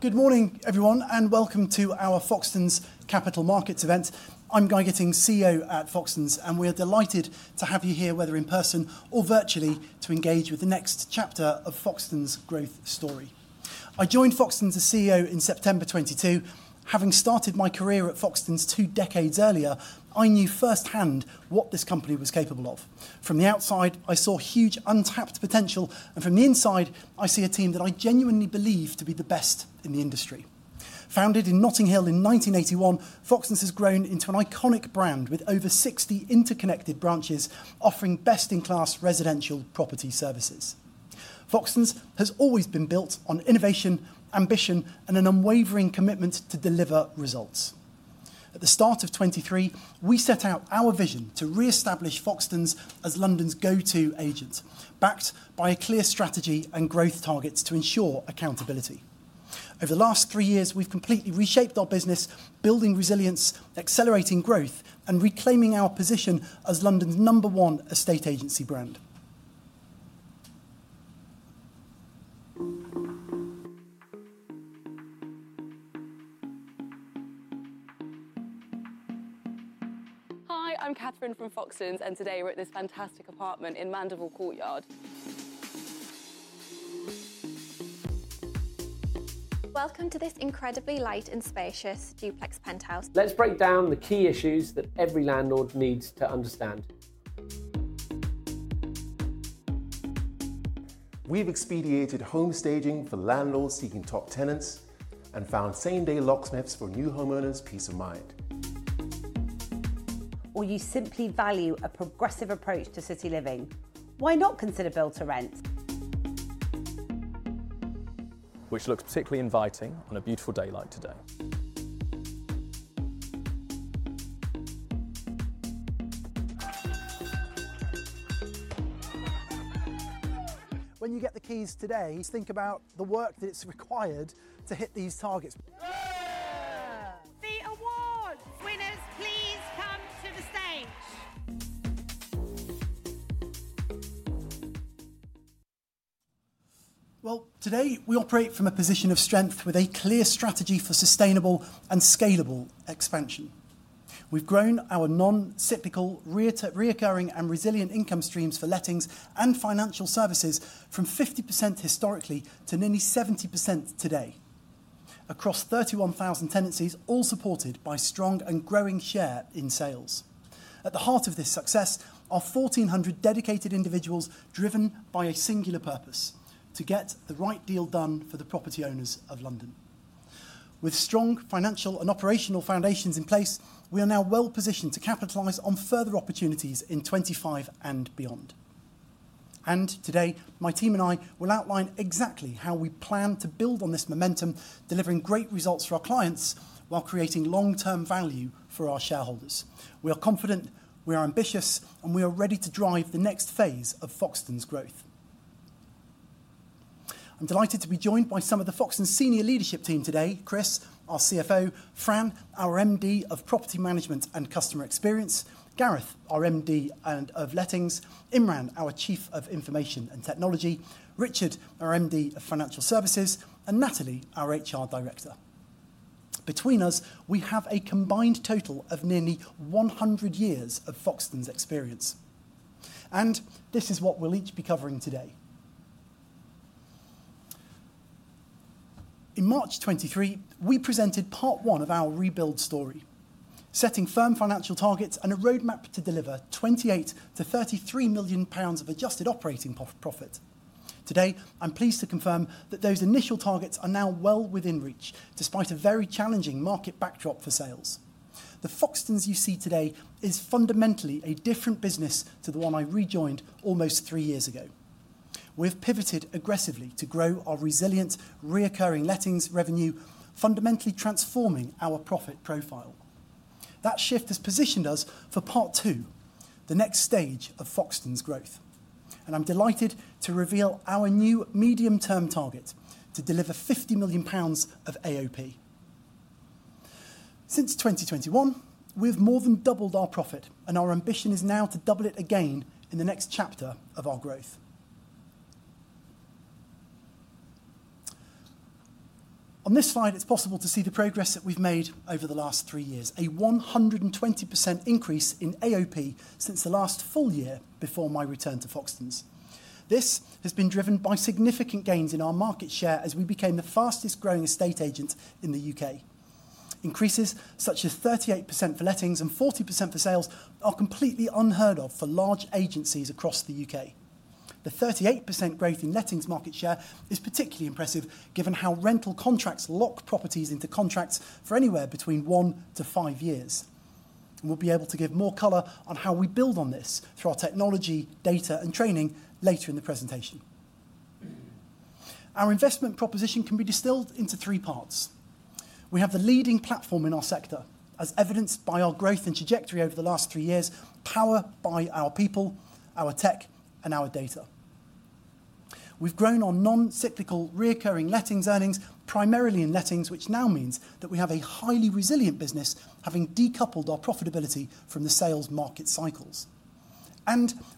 Good morning, everyone, and welcome to our Foxtons Capital Markets Event. I'm Guy Gittins, CEO at Foxtons, and we are delighted to have you here, whether in person or virtually, to engage with the next chapter of Foxtons' growth story. I joined Foxtons as CEO in September 2022. Having started my career at Foxtons two decades earlier, I knew firsthand what this company was capable of. From the outside, I saw huge untapped potential, and from the inside, I see a team that I genuinely believe to be the best in the industry. Founded in Notting Hill in 1981, Foxtons has grown into an iconic brand with over 60 interconnected branches, offering best-in-class residential property services. Foxtons has always been built on innovation, ambition, and an unwavering commitment to deliver results. At the start of 2023, we set out our vision to reestablish Foxtons as London's go-to agent, backed by a clear strategy and growth targets to ensure accountability. Over the last three years, we've completely reshaped our business, building resilience, accelerating growth, and reclaiming our position as London's number one estate agency brand. Hi, I'm Catherine from Foxtons, and today we're at this fantastic apartment in Mandeville Courtyard. Welcome to this incredibly light and spacious duplex penthouse. Let's break down the key issues that every landlord needs to understand. We've expedited home staging for landlords seeking top tenants and found same-day locksmiths for new homeowners' peace of mind. Or you simply value a progressive approach to city living, why not consider Build to Rent? Which looks particularly inviting on a beautiful day like today. When you get the keys today, think about the work that's required to hit these targets. The awards winners, please come to the stage. Today we operate from a position of strength with a clear strategy for sustainable and scalable expansion. We've grown our non-cyclical, recurring, and resilient income streams for lettings and financial services from 50% historically to nearly 70% today, across 31,000 tenancies, all supported by a strong and growing share in sales. At the heart of this success are 1,400 dedicated individuals driven by a singular purpose: to get the right deal done for the property owners of London. With strong financial and operational foundations in place, we are now well positioned to capitalize on further opportunities in 2025 and beyond. My team and I will outline exactly how we plan to build on this momentum, delivering great results for our clients while creating long-term value for our shareholders. We are confident, we are ambitious, and we are ready to drive the next phase of Foxtons' growth. I'm delighted to be joined by some of the Foxtons' senior leadership team today: Chris, our CFO; Fran, our MD of Property Management and Customer Experience; Gareth, our MD of Lettings; Imran, our Chief of Information and Technology; Richard, our MD of Financial Services; and Natalie, our HR Director. Between us, we have a combined total of nearly 100 years of Foxtons' experience, and this is what we'll each be covering today. In March 2023, we presented part one of our rebuild story, setting firm financial targets and a roadmap to deliver 28 million-33 million pounds of adjusted operating profit. Today, I'm pleased to confirm that those initial targets are now well within reach, despite a very challenging market backdrop for sales. The Foxtons you see today is fundamentally a different business to the one I rejoined almost three years ago. We've pivoted aggressively to grow our resilient, recurring lettings revenue, fundamentally transforming our profit profile. That shift has positioned us for part two, the next stage of Foxtons' growth, and I'm delighted to reveal our new medium-term target to deliver 50 million pounds of AOP. Since 2021, we've more than doubled our profit, and our ambition is now to double it again in the next chapter of our growth. On this slide, it's possible to see the progress that we've made over the last three years: a 120% increase in AOP since the last full year before my return to Foxtons. This has been driven by significant gains in our market share as we became the fastest-growing estate agent in the U.K. Increases such as 38% for lettings and 40% for sales are completely unheard of for large agencies across the U.K. The 38% growth in lettings market share is particularly impressive, given how rental contracts lock properties into contracts for anywhere between one to five years. We'll be able to give more color on how we build on this through our technology, data, and training later in the presentation. Our investment proposition can be distilled into three parts. We have the leading platform in our sector, as evidenced by our growth and trajectory over the last three years: powered by our people, our tech, and our data. We've grown our non-cyclical, recurring lettings earnings primarily in lettings, which now means that we have a highly resilient business, having decoupled our profitability from the sales market cycles.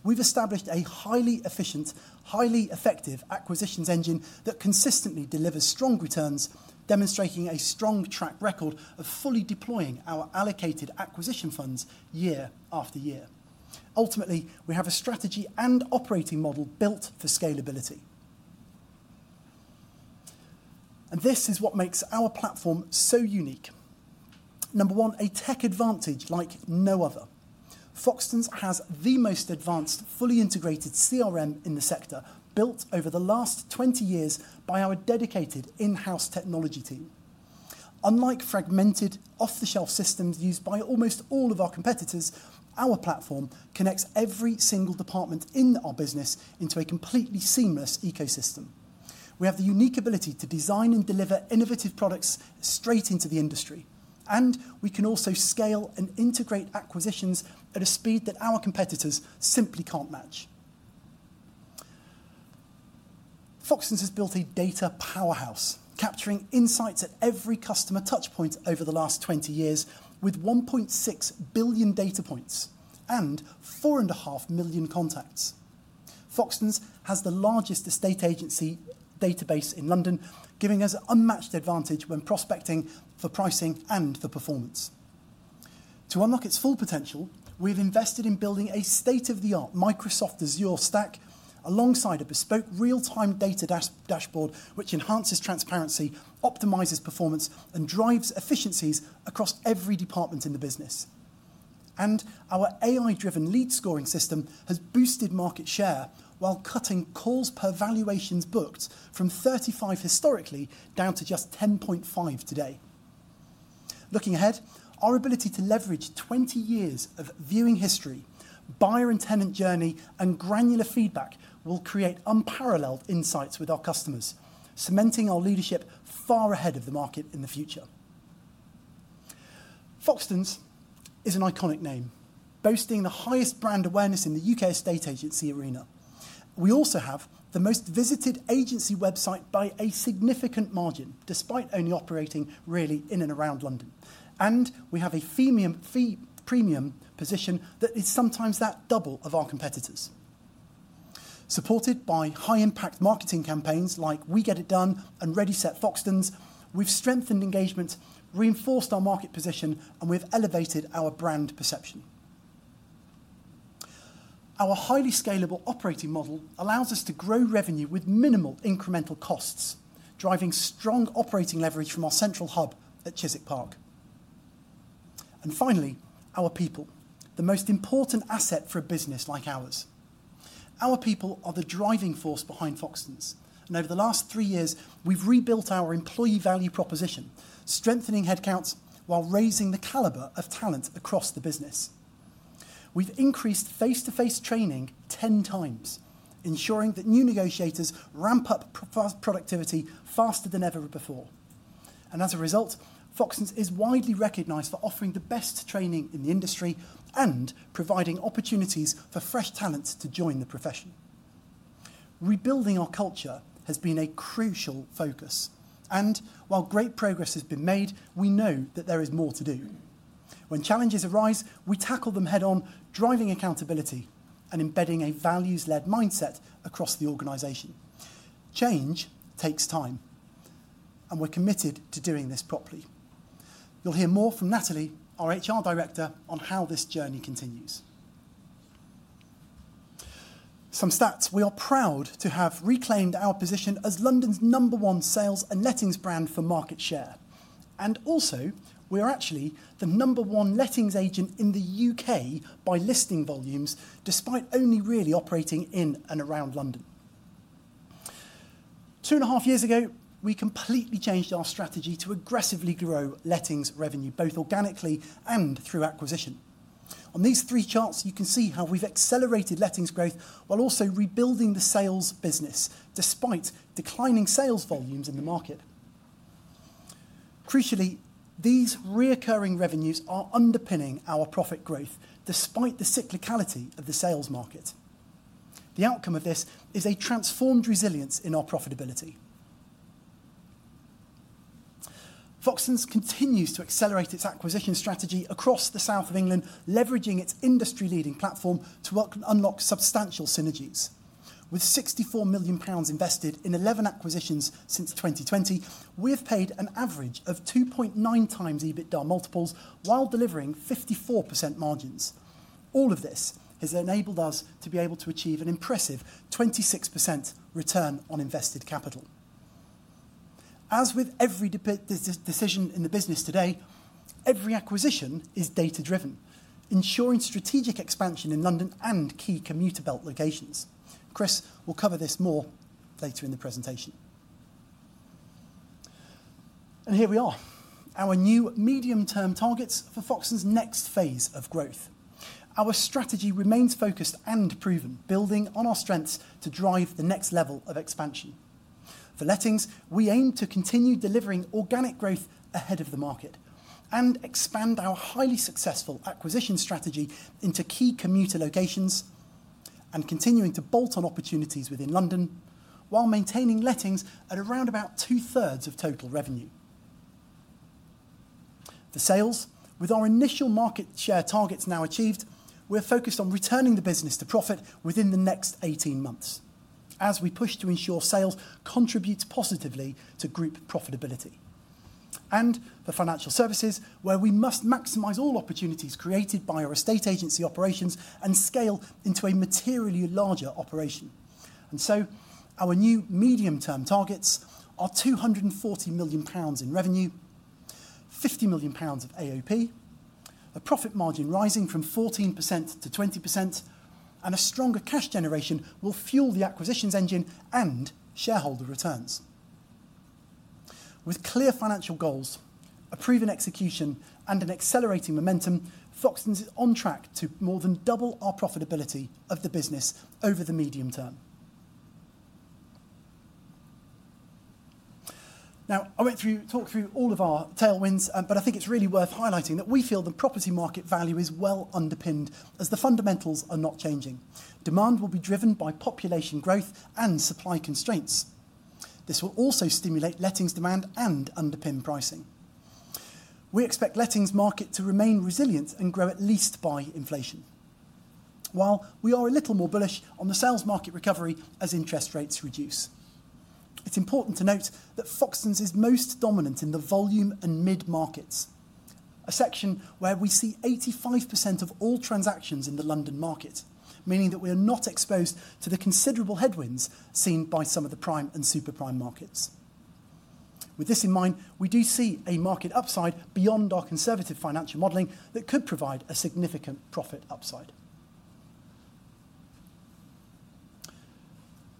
We have established a highly efficient, highly effective acquisitions engine that consistently delivers strong returns, demonstrating a strong track record of fully deploying our allocated acquisition funds year after year. Ultimately, we have a strategy and operating model built for scalability. This is what makes our platform so unique. Number one, a tech advantage like no other. Foxtons has the most advanced, fully integrated CRM in the sector, built over the last 20 years by our dedicated in-house technology team. Unlike fragmented, off-the-shelf systems used by almost all of our competitors, our platform connects every single department in our business into a completely seamless ecosystem. We have the unique ability to design and deliver innovative products straight into the industry, and we can also scale and integrate acquisitions at a speed that our competitors simply cannot match. Foxtons has built a data powerhouse, capturing insights at every customer touchpoint over the last 20 years, with 1.6 billion data points and 4.5 million contacts. Foxtons has the largest estate agency database in London, giving us an unmatched advantage when prospecting for pricing and for performance. To unlock its full potential, we have invested in building a state-of-the-art Microsoft Azure stack alongside a bespoke real-time data dashboard, which enhances transparency, optimizes performance, and drives efficiencies across every department in the business. Our AI-driven lead scoring system has boosted market share while cutting calls per valuations booked from 35 historically down to just 10.5 today. Looking ahead, our ability to leverage 20 years of viewing history, buyer and tenant journey, and granular feedback will create unparalleled insights with our customers, cementing our leadership far ahead of the market in the future. Foxtons is an iconic name, boasting the highest brand awareness in the U.K. estate agency arena. We also have the most visited agency website by a significant margin, despite only operating really in and around London. We have a premium position that is sometimes that double of our competitors. Supported by high-impact marketing campaigns like We Get It Done and Ready Set Foxtons, we have strengthened engagement, reinforced our market position, and we have elevated our brand perception. Our highly scalable operating model allows us to grow revenue with minimal incremental costs, driving strong operating leverage from our central hub at Chiswick Park. Finally, our people, the most important asset for a business like ours. Our people are the driving force behind Foxtons. Over the last three years, we have rebuilt our employee value proposition, strengthening headcounts while raising the caliber of talent across the business. We have increased face-to-face training 10 times, ensuring that new negotiators ramp up productivity faster than ever before. As a result, Foxtons is widely recognized for offering the best training in the industry and providing opportunities for fresh talents to join the profession. Rebuilding our culture has been a crucial focus. While great progress has been made, we know that there is more to do. When challenges arise, we tackle them head-on, driving accountability and embedding a values-led mindset across the organization. Change takes time, and we're committed to doing this properly. You'll hear more from Natalie, our HR Director, on how this journey continues. Some stats: we are proud to have reclaimed our position as London's number one sales and lettings brand for market share. Also, we are actually the number one lettings agent in the U.K. by listing volumes, despite only really operating in and around London. Two and a half years ago, we completely changed our strategy to aggressively grow lettings revenue, both organically and through acquisition. On these three charts, you can see how we've accelerated lettings growth while also rebuilding the sales business, despite declining sales volumes in the market. Crucially, these recurring revenues are underpinning our profit growth, despite the cyclicality of the sales market. The outcome of this is a transformed resilience in our profitability. Foxtons continues to accelerate its acquisition strategy across the south of England, leveraging its industry-leading platform to unlock substantial synergies. With 64 million pounds invested in 11 acquisitions since 2020, we've paid an average of 2.9 times EBITDA multiples while delivering 54% margins. All of this has enabled us to be able to achieve an impressive 26% return on invested capital. As with every decision in the business today, every acquisition is data-driven, ensuring strategic expansion in London and key commuter belt locations. Chris will cover this more later in the presentation. Here we are, our new medium-term targets for Foxtons' next phase of growth. Our strategy remains focused and proven, building on our strengths to drive the next level of expansion. For lettings, we aim to continue delivering organic growth ahead of the market and expand our highly successful acquisition strategy into key commuter locations and continuing to bolt on opportunities within London while maintaining lettings at around about two-thirds of total revenue. For sales, with our initial market share targets now achieved, we are focused on returning the business to profit within the next 18 months, as we push to ensure sales contribute positively to group profitability. For financial services, where we must maximize all opportunities created by our estate agency operations and scale into a materially larger operation. Our new medium-term targets are 240 million pounds in revenue, 50 million pounds of AOP, a profit margin rising from 14% to 20%, and a stronger cash generation will fuel the acquisitions engine and shareholder returns. With clear financial goals, a proven execution, and an accelerating momentum, Foxtons is on track to more than double our profitability of the business over the medium term. I went through, talked through all of our tailwinds, but I think it is really worth highlighting that we feel the property market value is well underpinned as the fundamentals are not changing. Demand will be driven by population growth and supply constraints. This will also stimulate lettings demand and underpin pricing. We expect lettings market to remain resilient and grow at least by inflation, while we are a little more bullish on the sales market recovery as interest rates reduce. It's important to note that Foxtons is most dominant in the volume and mid markets, a section where we see 85% of all transactions in the London market, meaning that we are not exposed to the considerable headwinds seen by some of the prime and super prime markets. With this in mind, we do see a market upside beyond our conservative financial modeling that could provide a significant profit upside.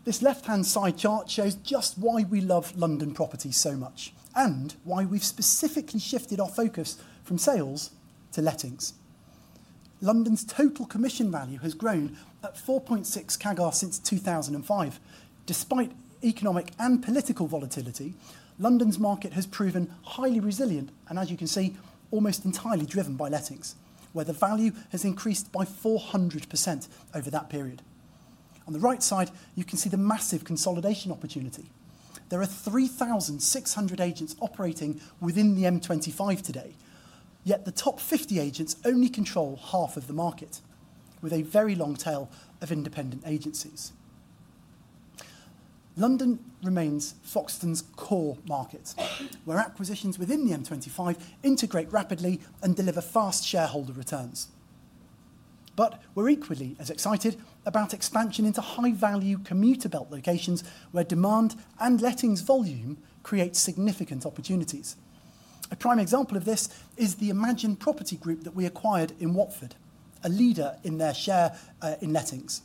This left-hand side chart shows just why we love London properties so much and why we've specifically shifted our focus from sales to lettings. London's total commission value has grown at 4.6% CAGR since 2005. Despite economic and political volatility, London's market has proven highly resilient and, as you can see, almost entirely driven by lettings, where the value has increased by 400% over that period. On the right side, you can see the massive consolidation opportunity. There are 3,600 agents operating within the M25 today, yet the top 50 agents only control half of the market, with a very long tail of independent agencies. London remains Foxtons' core market, where acquisitions within the M25 integrate rapidly and deliver fast shareholder returns. We are equally as excited about expansion into high-value commuter belt locations, where demand and lettings volume create significant opportunities. A prime example of this is the Imagine Property Group that we acquired in Watford, a leader in their share in lettings.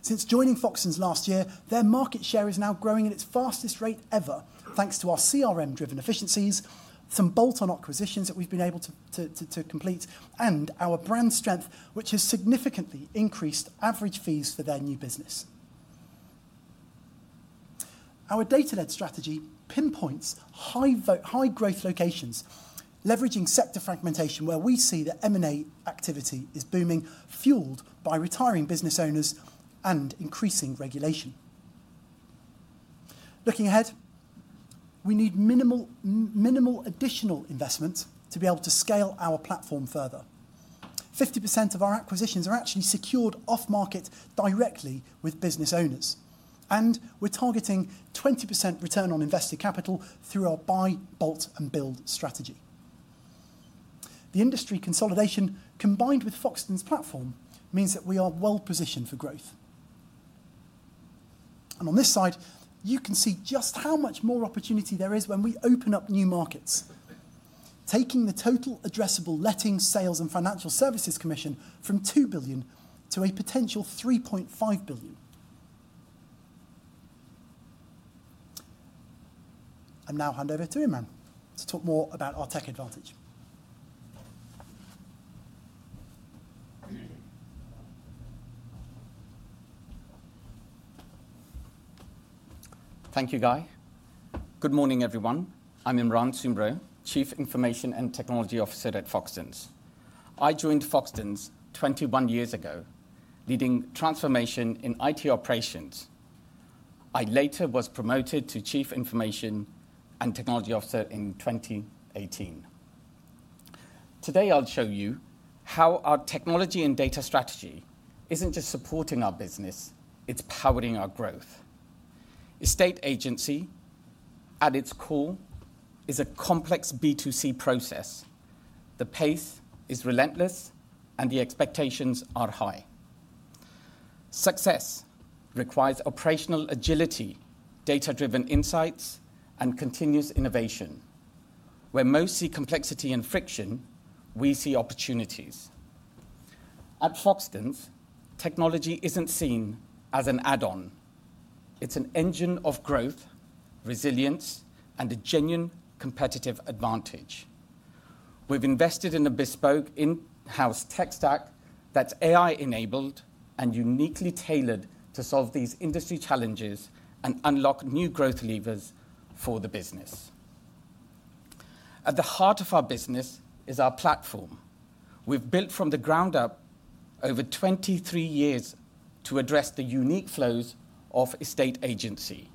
Since joining Foxtons last year, their market share is now growing at its fastest rate ever, thanks to our CRM-driven efficiencies, some bolt-on acquisitions that we've been able to complete, and our brand strength, which has significantly increased average fees for their new business. Our data-led strategy pinpoints high-growth locations, leveraging sector fragmentation where we see that M&A activity is booming, fueled by retiring business owners and increasing regulation. Looking ahead, we need minimal additional investment to be able to scale our platform further. 50% of our acquisitions are actually secured off-market directly with business owners, and we're targeting 20% return on invested capital through our buy, bolt, and build strategy. The industry consolidation, combined with Foxtons' platform, means that we are well positioned for growth. On this side, you can see just how much more opportunity there is when we open up new markets, taking the total addressable lettings, sales, and financial services commission from 2 billion to a potential 3.5 billion. Now I'll hand over to Imran to talk more about our tech advantage. Thank you, Guy. Good morning, everyone. I'm Imran Soomro, Chief Information and Technology Officer at Foxtons. I joined Foxtons 21 years ago, leading transformation in IT operations. I later was promoted to Chief Information and Technology Officer in 2018. Today, I'll show you how our technology and data strategy isn't just supporting our business; it's powering our growth. Estate agency, at its core, is a complex B2C process. The pace is relentless, and the expectations are high. Success requires operational agility, data-driven insights, and continuous innovation. Where most see complexity and friction, we see opportunities. At Foxtons, technology isn't seen as an add-on. It's an engine of growth, resilience, and a genuine competitive advantage. We've invested in a bespoke in-house tech stack that's AI-enabled and uniquely tailored to solve these industry challenges and unlock new growth levers for the business. At the heart of our business is our platform. We've built from the ground up over 23 years to address the unique flows of estate agency.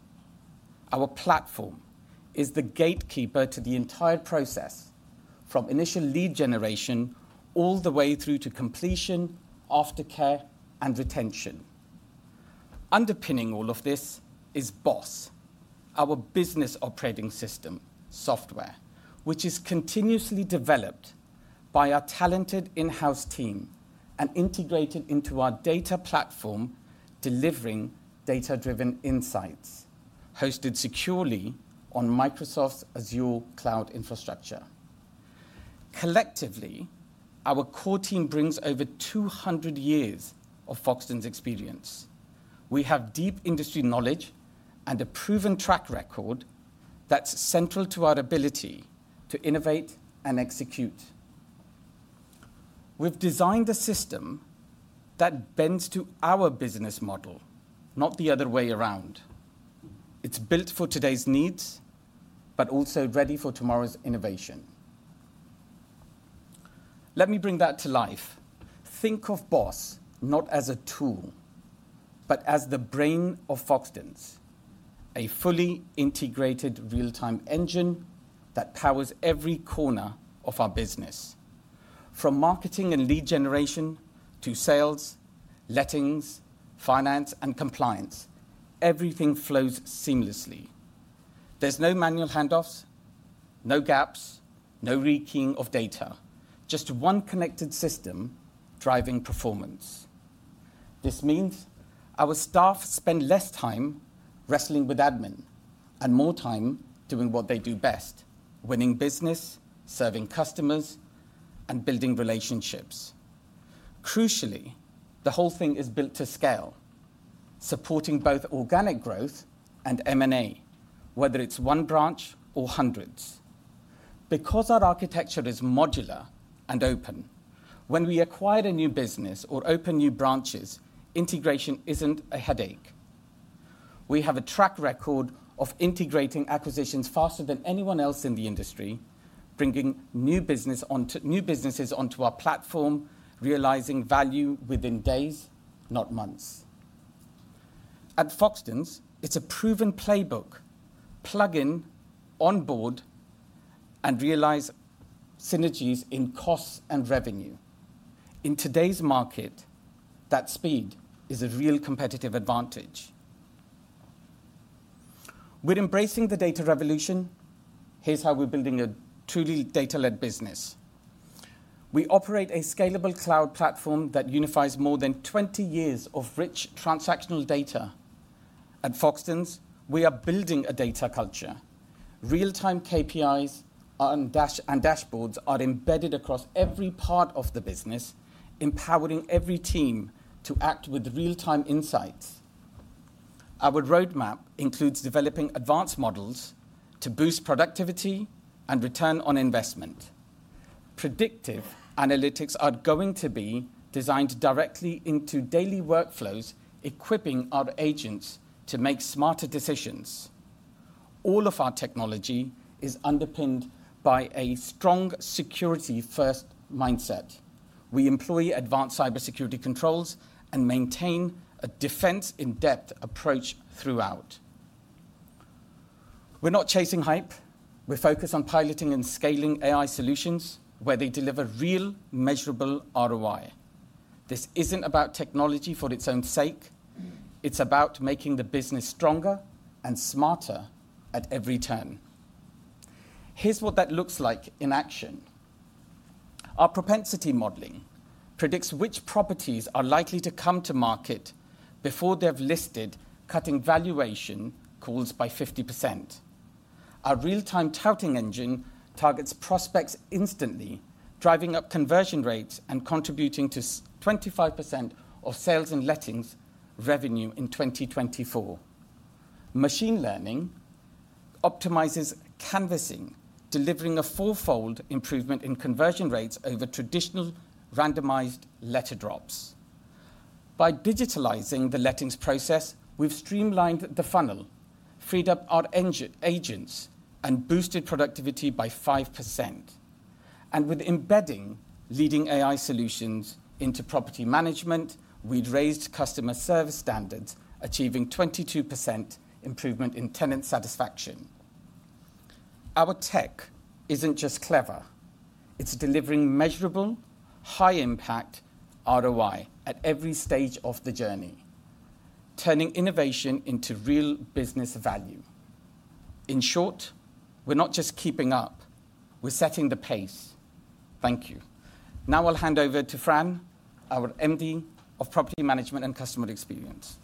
Our platform is the gatekeeper to the entire process, from initial lead generation all the way through to completion, aftercare, and retention. Underpinning all of this is Boss, our business operating system software, which is continuously developed by our talented in-house team and integrated into our data platform, delivering data-driven insights, hosted securely on Microsoft's Azure cloud infrastructure. Collectively, our core team brings over 200 years of Foxtons' experience. We have deep industry knowledge and a proven track record that's central to our ability to innovate and execute. We've designed a system that bends to our business model, not the other way around. It's built for today's needs, but also ready for tomorrow's innovation. Let me bring that to life. Think of Boss not as a tool, but as the brain of Foxtons, a fully integrated real-time engine that powers every corner of our business. From marketing and lead generation to sales, lettings, finance, and compliance, everything flows seamlessly. There are no manual handoffs, no gaps, no rekeying of data, just one connected system driving performance. This means our staff spend less time wrestling with admin and more time doing what they do best: winning business, serving customers, and building relationships. Crucially, the whole thing is built to scale, supporting both organic growth and M&A, whether it is one branch or hundreds. Because our architecture is modular and open, when we acquire a new business or open new branches, integration is not a headache. We have a track record of integrating acquisitions faster than anyone else in the industry, bringing new businesses onto our platform, realizing value within days, not months. At Foxtons, it's a proven playbook: plug in, onboard, and realize synergies in costs and revenue. In today's market, that speed is a real competitive advantage. We're embracing the data revolution. Here's how we're building a truly data-led business. We operate a scalable cloud platform that unifies more than 20 years of rich transactional data. At Foxtons, we are building a data culture. Real-time KPIs and dashboards are embedded across every part of the business, empowering every team to act with real-time insights. Our roadmap includes developing advanced models to boost productivity and return on investment. Predictive analytics are going to be designed directly into daily workflows, equipping our agents to make smarter decisions. All of our technology is underpinned by a strong security-first mindset. We employ advanced cybersecurity controls and maintain a defense-in-depth approach throughout. We're not chasing hype. We're focused on piloting and scaling AI solutions where they deliver real, measurable ROI. This isn't about technology for its own sake. It's about making the business stronger and smarter at every turn. Here's what that looks like in action. Our propensity modeling predicts which properties are likely to come to market before they've listed, cutting valuation calls by 50%. Our real-time touting engine targets prospects instantly, driving up conversion rates and contributing to 25% of sales and lettings revenue in 2024. Machine learning optimizes canvassing, delivering a four-fold improvement in conversion rates over traditional randomized letter drops. By digitalizing the lettings process, we've streamlined the funnel, freed up our agents, and boosted productivity by 5%. With embedding leading AI solutions into property management, we've raised customer service standards, achieving 22% improvement in tenant satisfaction. Our tech isn't just clever. It's delivering measurable, high-impact ROI at every stage of the journey, turning innovation into real business value. In short, we're not just keeping up. We're setting the pace. Thank you. Now I'll hand over to Fran, our MD of Property Management and Customer Experience.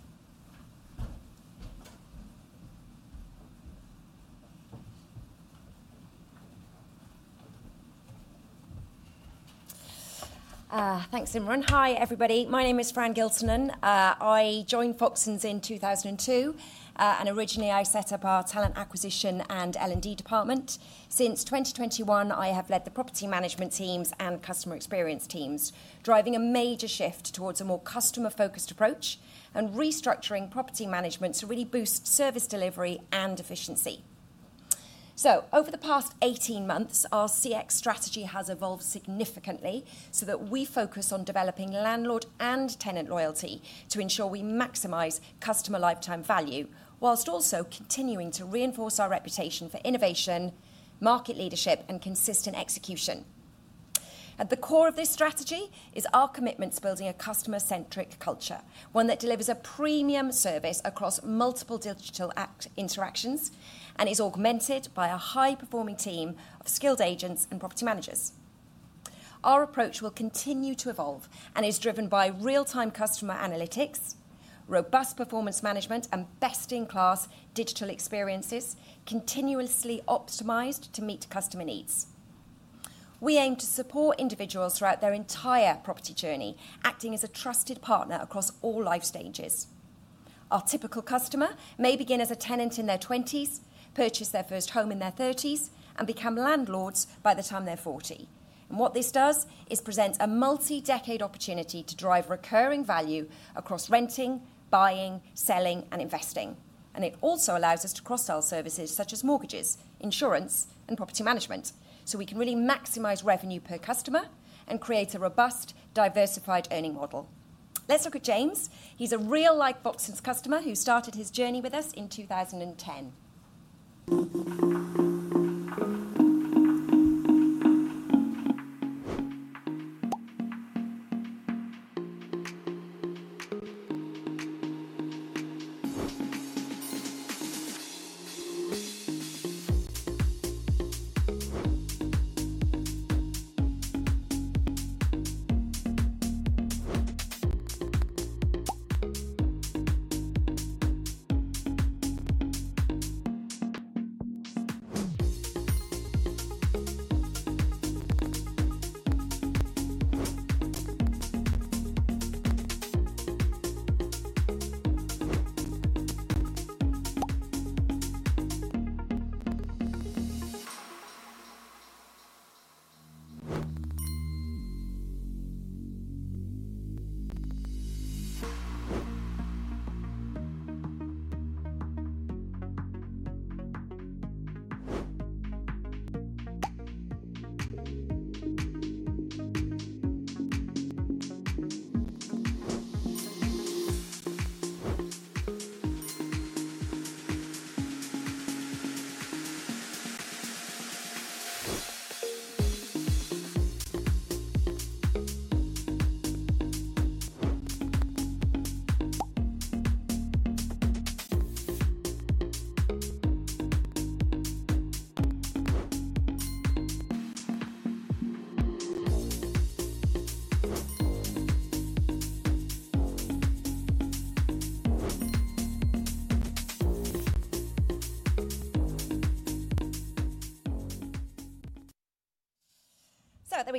Thanks, Imran. Hi, everybody. My name is Fran Giltinan. I joined Foxtons in 2002, and originally, I set up our talent acquisition and L&D department. Since 2021, I have led the property management teams and customer experience teams, driving a major shift towards a more customer-focused approach and restructuring property management to really boost service delivery and efficiency. Over the past 18 months, our CX strategy has evolved significantly so that we focus on developing landlord and tenant loyalty to ensure we maximize customer lifetime value, whilst also continuing to reinforce our reputation for innovation, market leadership, and consistent execution. At the core of this strategy is our commitment to building a customer-centric culture, one that delivers a premium service across multiple digital interactions and is augmented by a high-performing team of skilled agents and property managers. Our approach will continue to evolve and is driven by real-time customer analytics, robust performance management, and best-in-class digital experiences continuously optimized to meet customer needs. We aim to support individuals throughout their entire property journey, acting as a trusted partner across all life stages. Our typical customer may begin as a tenant in their 20s, purchase their first home in their 30s, and become landlords by the time they're 40. What this does is present a multi-decade opportunity to drive recurring value across renting, buying, selling, and investing. It also allows us to cross-sell services such as mortgages, insurance, and property management, so we can really maximize revenue per customer and create a robust, diversified earning model. Let's look at James. He's a real-life Foxtons customer who started his journey with us in 2010.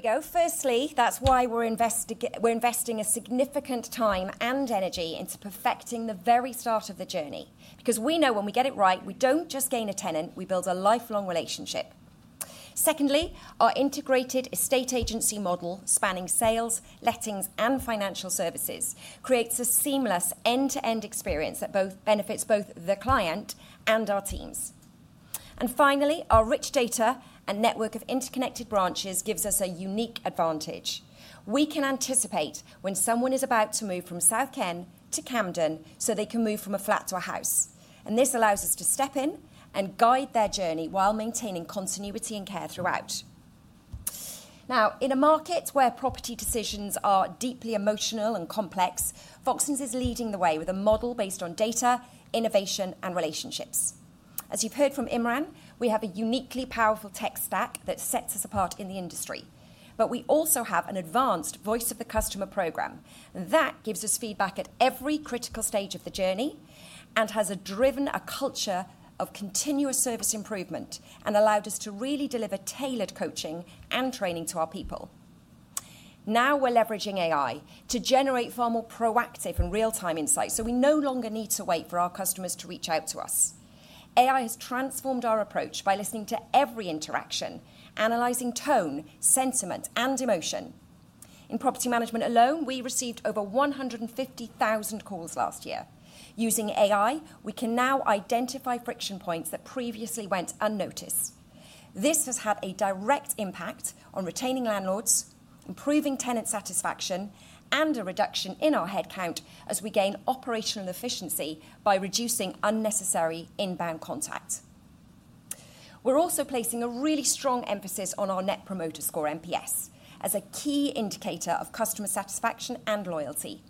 There we go. Firstly, that's why we're investing a significant time and energy into perfecting the very start of the journey, because we know when we get it right, we don't just gain a tenant; we build a lifelong relationship. Secondly, our integrated estate agency model, spanning sales, lettings, and financial services, creates a seamless end-to-end experience that benefits both the client and our teams. Finally, our rich data and network of interconnected branches gives us a unique advantage. We can anticipate when someone is about to move from South Kensington to Camden so they can move from a flat to a house. This allows us to step in and guide their journey while maintaining continuity and care throughout. Now, in a market where property decisions are deeply emotional and complex, Foxtons is leading the way with a model based on data, innovation, and relationships. As you've heard from Imran, we have a uniquely powerful tech stack that sets us apart in the industry. We also have an advanced voice-of-the-customer program. That gives us feedback at every critical stage of the journey and has driven a culture of continuous service improvement and allowed us to really deliver tailored coaching and training to our people. Now we're leveraging AI to generate far more proactive and real-time insights, so we no longer need to wait for our customers to reach out to us. AI has transformed our approach by listening to every interaction, analyzing tone, sentiment, and emotion. In property management alone, we received over 150,000 calls last year. Using AI, we can now identify friction points that previously went unnoticed. This has had a direct impact on retaining landlords, improving tenant satisfaction, and a reduction in our headcount as we gain operational efficiency by reducing unnecessary inbound contact. We are also placing a really strong emphasis on our Net Promoter Score, NPS, as a key indicator of customer satisfaction and loyalty.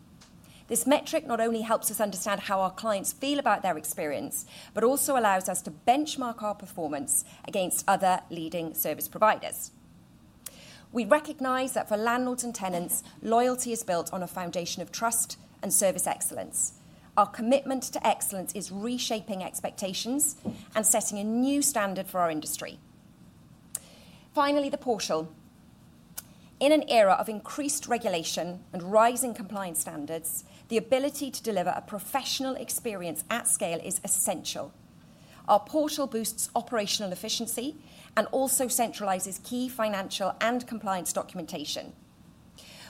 This metric not only helps us understand how our clients feel about their experience, but also allows us to benchmark our performance against other leading service providers. We recognize that for landlords and tenants, loyalty is built on a foundation of trust and service excellence. Our commitment to excellence is reshaping expectations and setting a new standard for our industry. Finally, the portal. In an era of increased regulation and rising compliance standards, the ability to deliver a professional experience at scale is essential. Our portal boosts operational efficiency and also centralizes key financial and compliance documentation.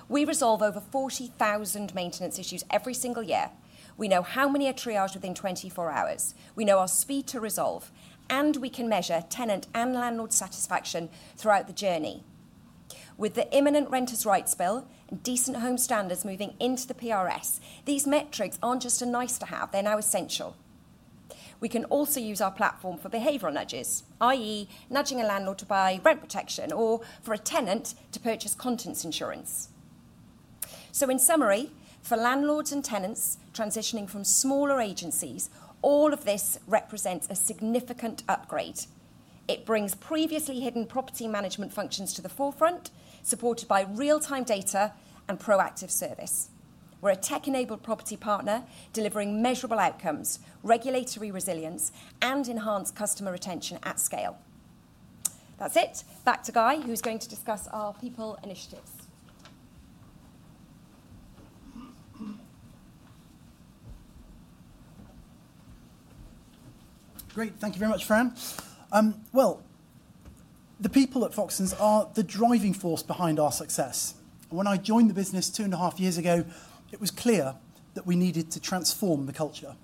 We resolve over 40,000 maintenance issues every single year. We know how many are triaged within 24 hours. We know our speed to resolve, and we can measure tenant and landlord satisfaction throughout the journey. With the imminent Renters' Rights Bill and decent home standards moving into the PRS, these metrics are not just a nice-to-have; they are now essential. We can also use our platform for behavioral nudges, i.e., nudging a landlord to buy rent protection or for a tenant to purchase contents insurance. In summary, for landlords and tenants transitioning from smaller agencies, all of this represents a significant upgrade. It brings previously hidden property management functions to the forefront, supported by real-time data and proactive service. We are a tech-enabled property partner delivering measurable outcomes, regulatory resilience, and enhanced customer retention at scale. That is it. Back to Guy, who is going to discuss our people initiatives. Great. Thank you very much, Fran. The people at Foxtons are the driving force behind our success. When I joined the business two and a half years ago, it was clear that we needed to transform the culture.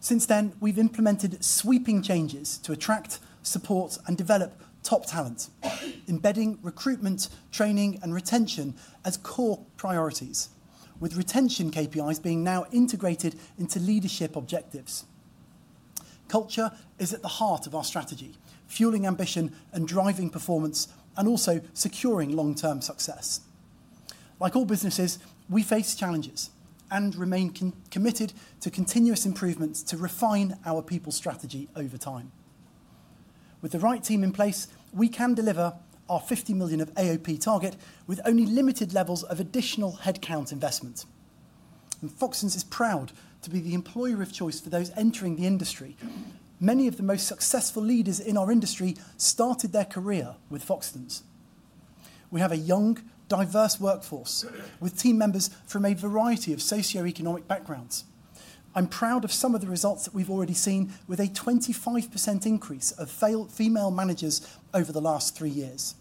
Since then, we've implemented sweeping changes to attract, support, and develop top talent, embedding recruitment, training, and retention as core priorities, with retention KPIs now integrated into leadership objectives. Culture is at the heart of our strategy, fueling ambition and driving performance, and also securing long-term success. Like all businesses, we face challenges and remain committed to continuous improvements to refine our people strategy over time. With the right team in place, we can deliver our 50 million of AOP target with only limited levels of additional headcount investment. Foxtons is proud to be the employer of choice for those entering the industry. Many of the most successful leaders in our industry started their career with Foxtons. We have a young, diverse workforce with team members from a variety of socioeconomic backgrounds. I'm proud of some of the results that we've already seen, with a 25% increase of female managers over the last three years.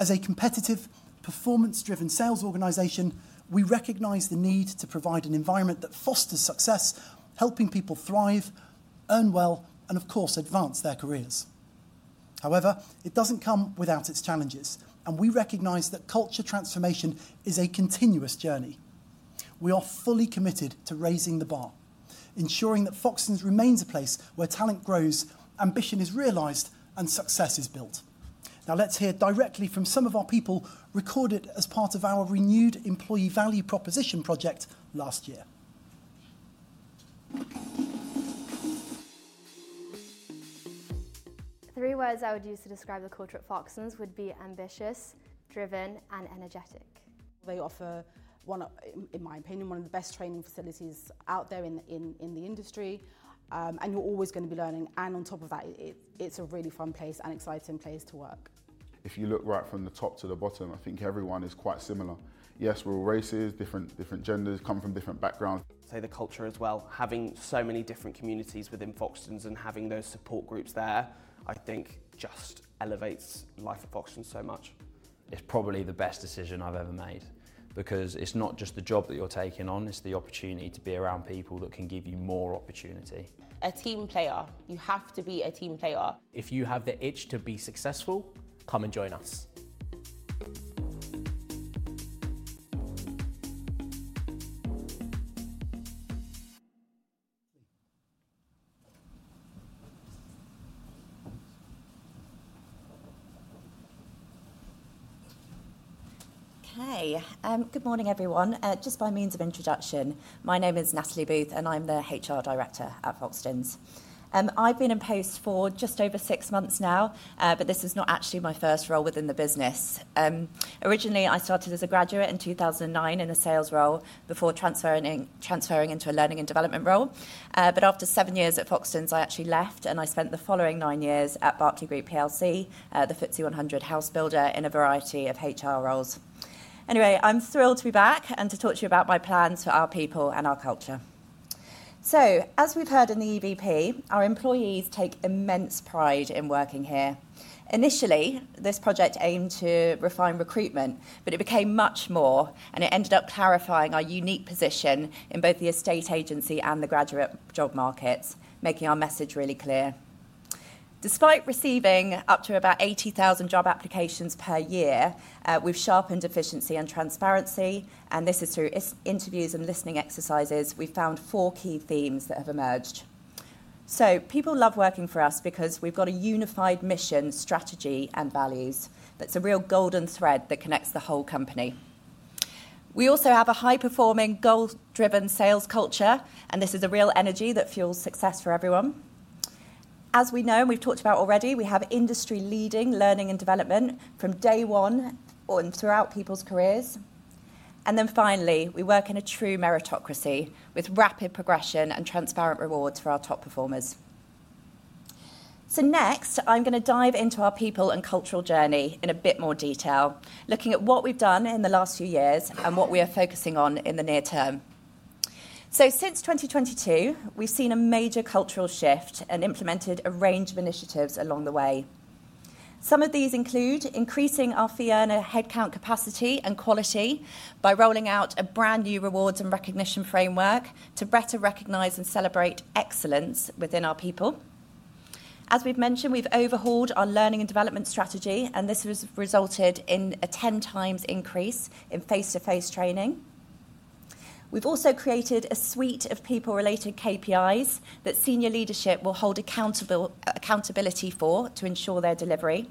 As a competitive, performance-driven sales organization, we recognize the need to provide an environment that fosters success, helping people thrive, earn well, and, of course, advance their careers. However, it doesn't come without its challenges, and we recognize that culture transformation is a continuous journey. We are fully committed to raising the bar, ensuring that Foxtons remains a place where talent grows, ambition is realized, and success is built. Now, let's hear directly from some of our people recorded as part of our renewed employee value proposition project last year. Three words I would use to describe the culture at Foxtons would be ambitious, driven, and energetic. They offer, in my opinion, one of the best training facilities out there in the industry. You are always going to be learning. On top of that, it is a really fun place and exciting place to work. If you look right from the top to the bottom, I think everyone is quite similar. Yes, we're all races, different genders, come from different backgrounds. Say the culture as well. Having so many different communities within Foxtons and having those support groups there, I think just elevates the life of Foxtons so much. It's probably the best decision I've ever made because it's not just the job that you're taking on, it's the opportunity to be around people that can give you more opportunity. A team player. You have to be a team player. If you have the itch to be successful, come and join us. Okay. Good morning, everyone. Just by means of introduction, my name is Natalie Booth, and I'm the HR Director at Foxtons. I've been in post for just over six months now, but this is not actually my first role within the business. Originally, I started as a graduate in 2009 in a sales role before transferring into a learning and development role. After seven years at Foxtons, I actually left, and I spent the following nine years at Berkeley Group PLC, the FTSE 100 house builder, in a variety of HR roles. Anyway, I'm thrilled to be back and to talk to you about my plans for our people and our culture. As we've heard in the EVP, our employees take immense pride in working here. Initially, this project aimed to refine recruitment, but it became much more, and it ended up clarifying our unique position in both the estate agency and the graduate job markets, making our message really clear. Despite receiving up to about 80,000 job applications per year, we've sharpened efficiency and transparency, and this is through interviews and listening exercises. We've found four key themes that have emerged. People love working for us because we've got a unified mission, strategy, and values. That's a real golden thread that connects the whole company. We also have a high-performing, goal-driven sales culture, and this is a real energy that fuels success for everyone. As we know, and we've talked about already, we have industry-leading learning and development from day one and throughout people's careers. Finally, we work in a true meritocracy with rapid progression and transparent rewards for our top performers. Next, I'm going to dive into our people and cultural journey in a bit more detail, looking at what we've done in the last few years and what we are focusing on in the near term. Since 2022, we've seen a major cultural shift and implemented a range of initiatives along the way. Some of these include increasing our headcount capacity and quality by rolling out a brand new rewards and recognition framework to better recognize and celebrate excellence within our people. As we've mentioned, we've overhauled our learning and development strategy, and this has resulted in a 10 times increase in face-to-face training. We've also created a suite of people-related KPIs that senior leadership will hold accountability for to ensure their delivery.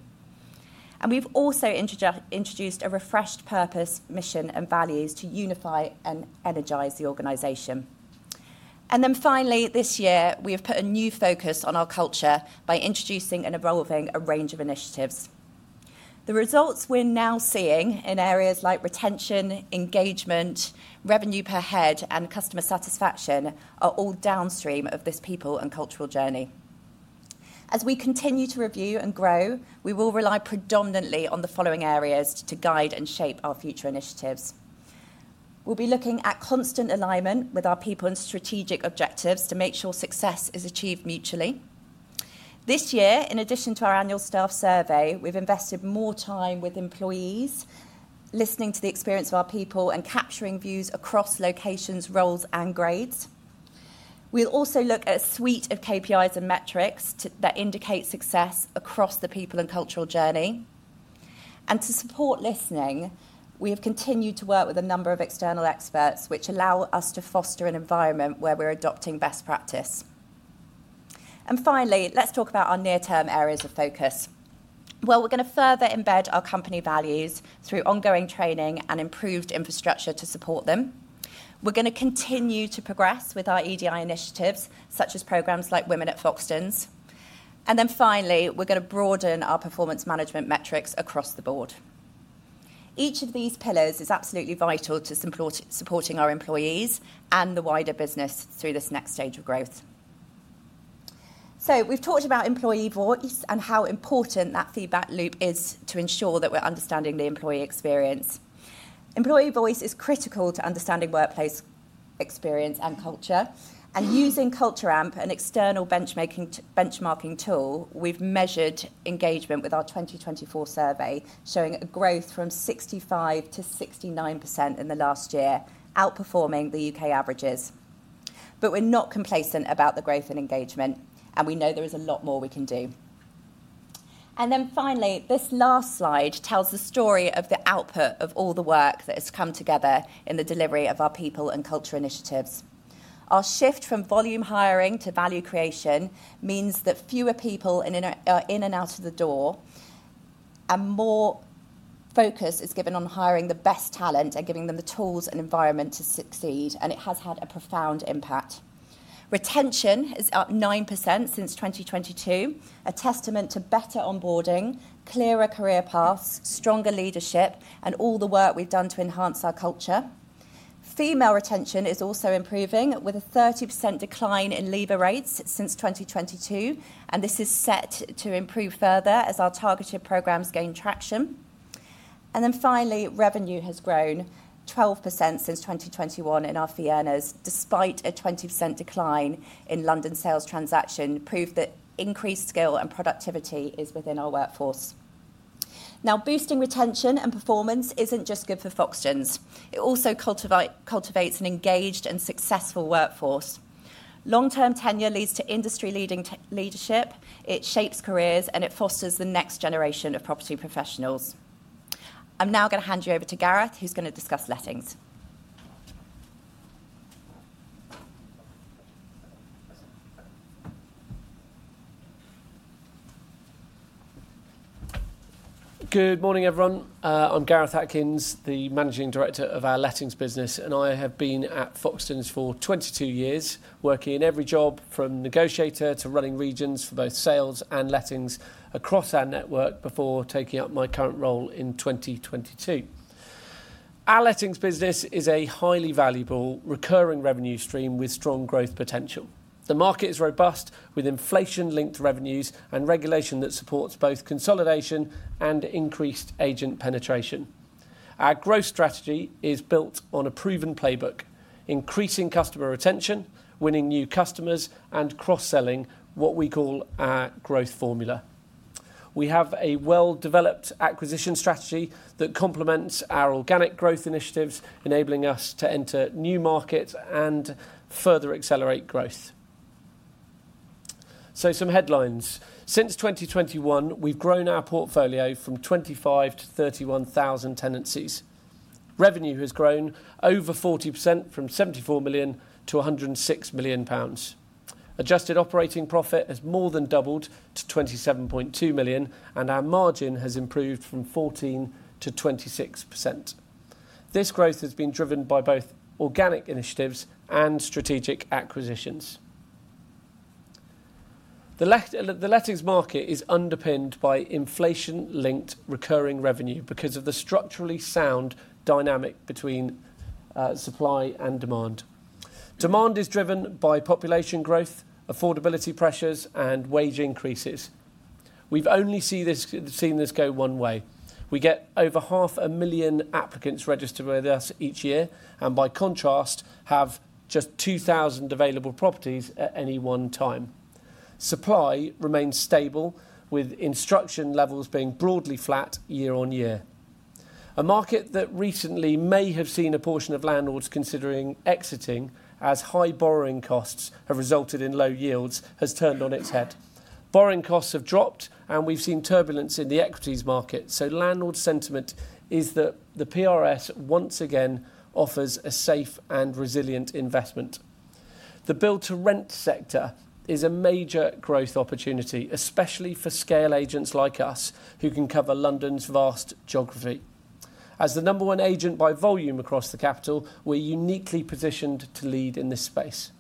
We've also introduced a refreshed purpose, mission, and values to unify and energize the organization. This year, we have put a new focus on our culture by introducing and evolving a range of initiatives. The results we're now seeing in areas like retention, engagement, revenue per head, and customer satisfaction are all downstream of this people and cultural journey. As we continue to review and grow, we will rely predominantly on the following areas to guide and shape our future initiatives. We'll be looking at constant alignment with our people and strategic objectives to make sure success is achieved mutually. This year, in addition to our annual staff survey, we've invested more time with employees, listening to the experience of our people, and capturing views across locations, roles, and grades. We'll also look at a suite of KPIs and metrics that indicate success across the people and cultural journey. To support listening, we have continued to work with a number of external experts, which allow us to foster an environment where we're adopting best practice. Finally, let's talk about our near-term areas of focus. We are going to further embed our company values through ongoing training and improved infrastructure to support them. We are going to continue to progress with our EDI initiatives, such as programs like Women at Foxtons. Finally, we are going to broaden our performance management metrics across the board. Each of these pillars is absolutely vital to supporting our employees and the wider business through this next stage of growth. We have talked about employee voice and how important that feedback loop is to ensure that we're understanding the employee experience. Employee voice is critical to understanding workplace experience and culture. Using Culture Amp, an external benchmarking tool, we've measured engagement with our 2024 survey, showing a growth from 65% to 69% in the last year, outperforming the U.K. averages. We are not complacent about the growth in engagement, and we know there is a lot more we can do. Finally, this last slide tells the story of the output of all the work that has come together in the delivery of our people and culture initiatives. Our shift from volume hiring to value creation means that fewer people are in and out of the door, and more focus is given on hiring the best talent and giving them the tools and environment to succeed, and it has had a profound impact. Retention is up 9% since 2022, a testament to better onboarding, clearer career paths, stronger leadership, and all the work we've done to enhance our culture. Female retention is also improving with a 30% decline in leaver rates since 2022, and this is set to improve further as our targeted programs gain traction. Finally, revenue has grown 12% since 2021 in our Financial Services, despite a 20% decline in London sales transactions, proving that increased skill and productivity is within our workforce. Now, boosting retention and performance is not just good for Foxtons. It also cultivates an engaged and successful workforce. Long-term tenure leads to industry-leading leadership. It shapes careers, and it fosters the next generation of property professionals. I am now going to hand you over to Gareth, who is going to discuss lettings. Good morning, everyone. I'm Gareth Atkins, the Managing Director of our Lettings business, and I have been at Foxtons for 22 years, working in every job from negotiator to running regions for both Sales and Lettings across our network before taking up my current role in 2022. Our Lettings business is a highly valuable recurring revenue stream with strong growth potential. The market is robust, with inflation-linked revenues and regulation that supports both consolidation and increased agent penetration. Our growth strategy is built on a proven playbook: increasing customer retention, winning new customers, and cross-selling what we call our growth formula. We have a well-developed acquisition strategy that complements our organic growth initiatives, enabling us to enter new markets and further accelerate growth. Some headlines. Since 2021, we've grown our portfolio from 25,000 to 31,000 tenancies. Revenue has grown over 40% from 74 million to 106 million pounds. Adjusted operating profit has more than doubled to 27.2 million, and our margin has improved from 14% to 26%. This growth has been driven by both organic initiatives and strategic acquisitions. The lettings market is underpinned by inflation-linked recurring revenue because of the structurally sound dynamic between supply and demand. Demand is driven by population growth, affordability pressures, and wage increases. We've only seen this go one way. We get over 500,000 applicants registered with us each year, and by contrast, have just 2,000 available properties at any one time. Supply remains stable, with instruction levels being broadly flat year on year. A market that recently may have seen a portion of landlords considering exiting as high borrowing costs have resulted in low yields has turned on its head. Borrowing costs have dropped, and we've seen turbulence in the equities market. Landlord sentiment is that the PRS once again offers a safe and resilient investment. The Build-to-Rent Sector is a major growth opportunity, especially for scale agents like us, who can cover London's vast geography. As the number one agent by volume across the capital, we're uniquely positioned to lead in this space.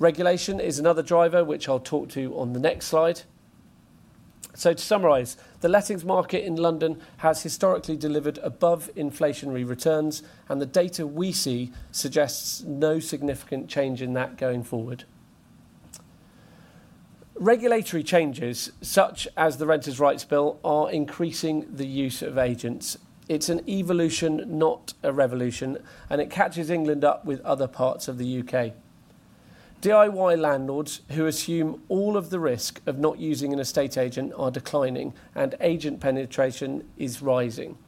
Regulation is another driver, which I'll talk to on the next slide. To summarize, the lettings market in London has historically delivered above inflationary returns, and the data we see suggests no significant change in that going forward. Regulatory changes, such as the Renters' Rights Bill, are increasing the use of agents. It's an evolution, not a revolution, and it catches England up with other parts of the U.K. DIY landlords who assume all of the risk of not using an estate agent are declining, and agent penetration is rising.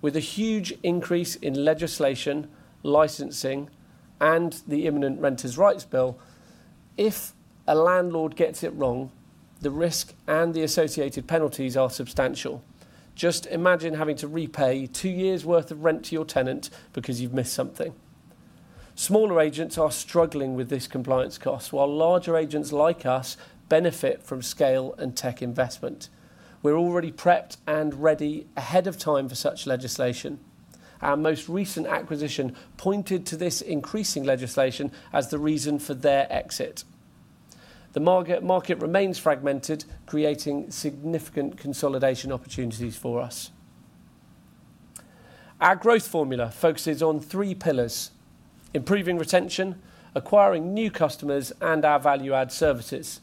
With a huge increase in legislation, licensing, and the imminent Renters' Rights Bill, if a landlord gets it wrong, the risk and the associated penalties are substantial. Just imagine having to repay two years' worth of rent to your tenant because you've missed something. Smaller agents are struggling with this compliance cost, while larger agents like us benefit from scale and tech investment. We're already prepped and ready ahead of time for such legislation. Our most recent acquisition pointed to this increasing legislation as the reason for their exit. The market remains fragmented, creating significant consolidation opportunities for us. Our growth formula focuses on three pillars: improving retention, acquiring new customers, and our value-add services.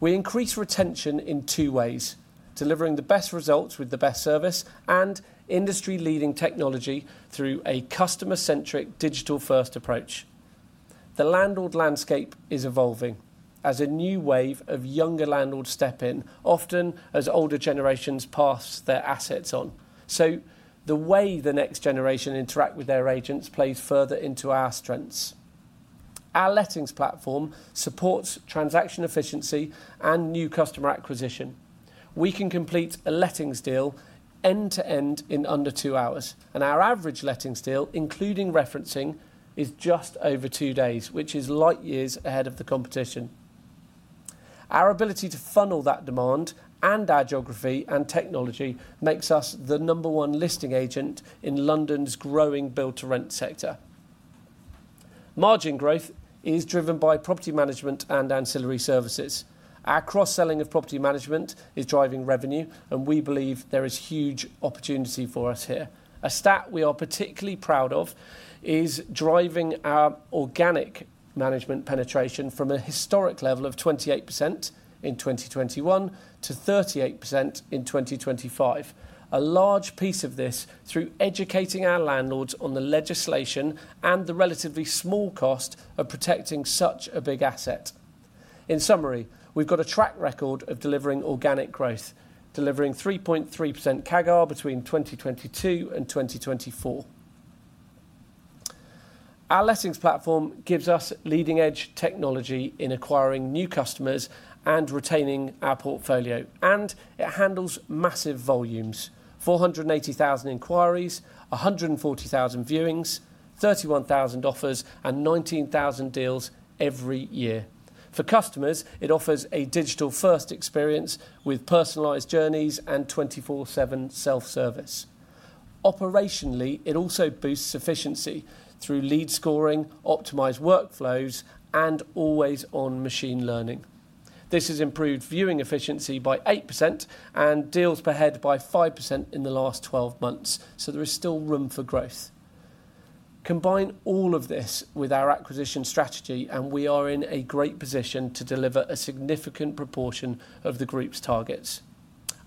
We increase retention in two ways: delivering the best results with the best service and industry-leading technology through a customer-centric digital-first approach. The landlord landscape is evolving as a new wave of younger landlords step in, often as older generations pass their assets on. The way the next generation interacts with their agents plays further into our strengths. Our lettings platform supports transaction efficiency and new customer acquisition. We can complete a lettings deal end-to-end in under two hours, and our average lettings deal, including referencing, is just over two days, which is light years ahead of the competition. Our ability to funnel that demand and our geography and technology makes us the number one listing agent in London's growing Build-to-Rent Sector. Margin growth is driven by property management and ancillary services. Our cross-selling of property management is driving revenue, and we believe there is huge opportunity for us here. A stat we are particularly proud of is driving our organic management penetration from a historic level of 28% in 2021 to 38% in 2025, a large piece of this through educating our landlords on the legislation and the relatively small cost of protecting such a big asset. In summary, we've got a track record of delivering organic growth, delivering 3.3% CAGR between 2022 and 2024. Our lettings platform gives us leading-edge technology in acquiring new customers and retaining our portfolio, and it handles massive volumes: 480,000 inquiries, 140,000 viewings, 31,000 offers, and 19,000 deals every year. For customers, it offers a digital-first experience with personalized journeys and 24/7 self-service. Operationally, it also boosts efficiency through lead scoring, optimized workflows, and always-on machine learning. This has improved viewing efficiency by 8% and deals per head by 5% in the last 12 months, so there is still room for growth. Combine all of this with our acquisition strategy, and we are in a great position to deliver a significant proportion of the group's targets.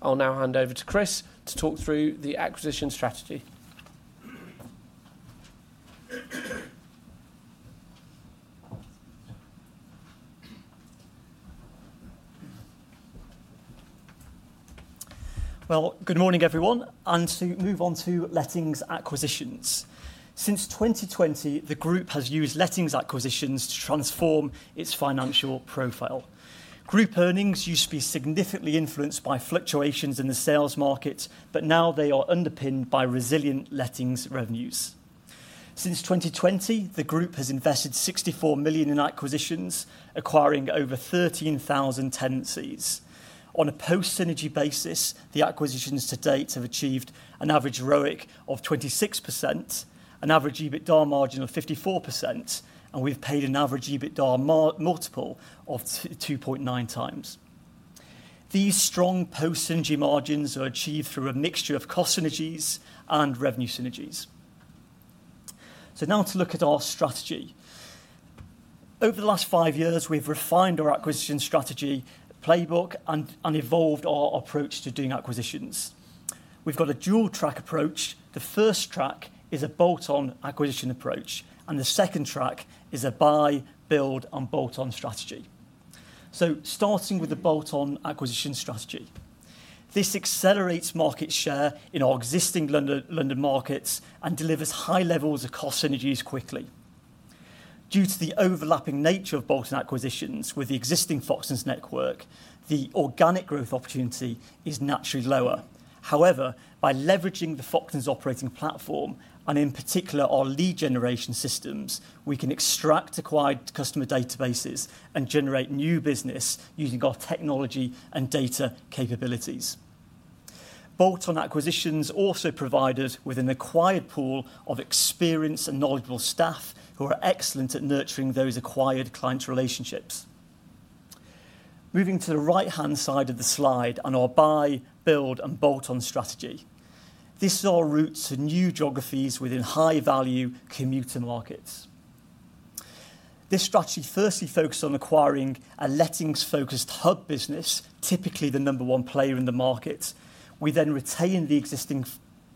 I'll now hand over to Chris to talk through the acquisition strategy. Good morning, everyone. To move on to lettings acquisitions. Since 2020, the group has used lettings acquisitions to transform its financial profile. Group earnings used to be significantly influenced by fluctuations in the sales market, but now they are underpinned by resilient lettings revenues. Since 2020, the group has invested 64 million in acquisitions, acquiring over 13,000 tenancies. On a post-synergy basis, the acquisitions to date have achieved an average ROIC of 26%, an average EBITDA margin of 54%, and we've paid an average EBITDA multiple of 2.9 times. These strong post-synergy margins are achieved through a mixture of cost synergies and revenue synergies. Now to look at our strategy. Over the last five years, we've refined our acquisition strategy playbook and evolved our approach to doing acquisitions. We've got a dual-track approach. The first track is a bolt-on acquisition approach, and the second track is a buy, build, and bolt-on strategy. Starting with the bolt-on acquisition strategy, this accelerates market share in our existing London markets and delivers high levels of cost synergies quickly. Due to the overlapping nature of bolt-on acquisitions with the existing Foxtons network, the organic growth opportunity is naturally lower. However, by leveraging the Foxtons operating platform and, in particular, our lead generation systems, we can extract acquired customer databases and generate new business using our technology and data capabilities. Bolt-on acquisitions also provide us with an acquired pool of experienced and knowledgeable staff who are excellent at nurturing those acquired client relationships. Moving to the right-hand side of the slide on our buy, build, and bolt-on strategy, this is our route to new geographies within high-value commuter markets. This strategy firstly focuses on acquiring a lettings-focused hub business, typically the number one player in the market. We then retain the existing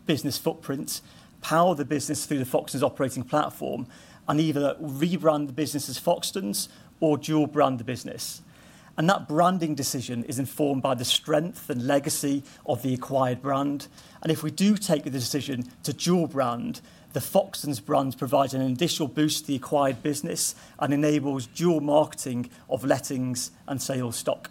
business footprint, power the business through the Foxtons operating platform, and either rebrand the business as Foxtons or dual-brand the business. That branding decision is informed by the strength and legacy of the acquired brand. If we do take the decision to dual-brand, the Foxtons brand provides an additional boost to the acquired business and enables dual marketing of lettings and sales stock.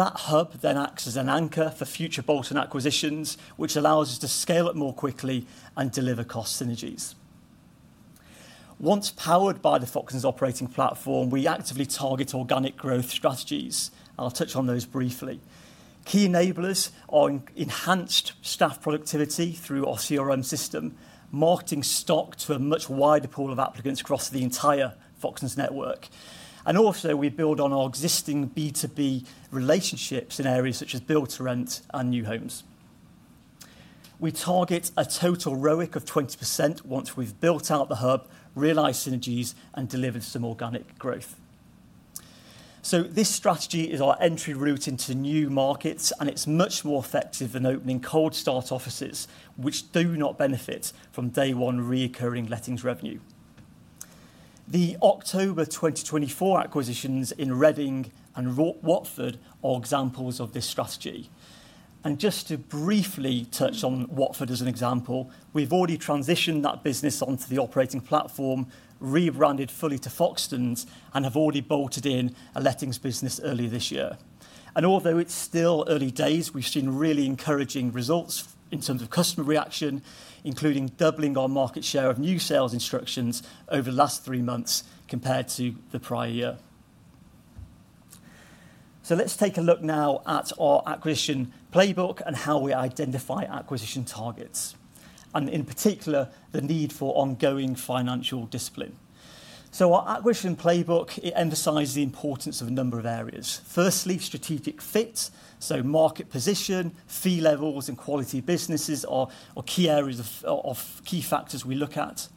That hub then acts as an anchor for future bolt-on acquisitions, which allows us to scale it more quickly and deliver cost synergies. Once powered by the Foxtons operating platform, we actively target organic growth strategies, and I'll touch on those briefly. Key enablers are enhanced staff productivity through our CRM system, marketing stock to a much wider pool of applicants across the entire Foxtons network. We also build on our existing B2B relationships in areas such as Build to Rent and new homes. We target a total ROIC of 20% once we've built out the hub, realized synergies, and delivered some organic growth. This strategy is our entry route into new markets, and it's much more effective than opening cold-start offices, which do not benefit from day-one recurring lettings revenue. The October 2024 acquisitions in Reading and Watford are examples of this strategy. Just to briefly touch on Watford as an example, we've already transitioned that business onto the operating platform, rebranded fully to Foxtons, and have already bolted in a lettings business earlier this year. Although it's still early days, we've seen really encouraging results in terms of customer reaction, including doubling our market share of new sales instructions over the last three months compared to the prior year. Let's take a look now at our acquisition playbook and how we identify acquisition targets, in particular, the need for ongoing financial discipline. Our acquisition playbook emphasizes the importance of a number of areas. Firstly, strategic fit: market position, fee levels, and quality businesses are key factors we look at.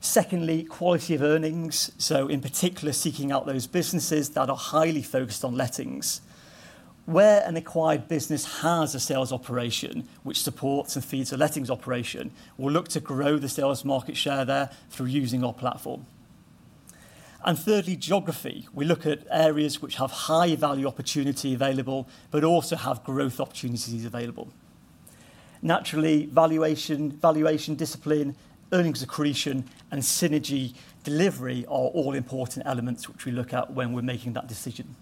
Secondly, quality of earnings, in particular, seeking out those businesses that are highly focused on lettings. Where an acquired business has a sales operation which supports and feeds a lettings operation, we'll look to grow the sales market share there through using our platform. Thirdly, geography. We look at areas which have high value opportunity available, but also have growth opportunities available. Naturally, valuation, discipline, earnings accretion, and synergy delivery are all important elements which we look at when we're making that decision.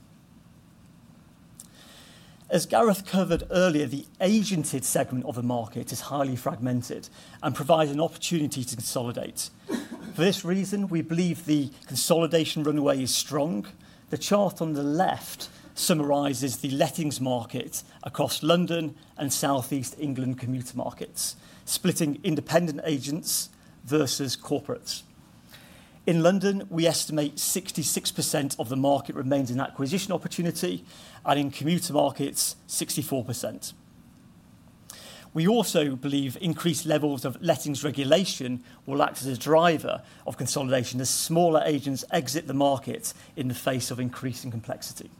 As Gareth covered earlier, the agented segment of the market is highly fragmented and provides an opportunity to consolidate. For this reason, we believe the consolidation runway is strong. The chart on the left summarizes the lettings market across London and Southeast England commuter markets, splitting independent agents versus corporates. In London, we estimate 66% of the market remains in acquisition opportunity, and in commuter markets, 64%. We also believe increased levels of lettings regulation will act as a driver of consolidation as smaller agents exit the market in the face of increasing complexity.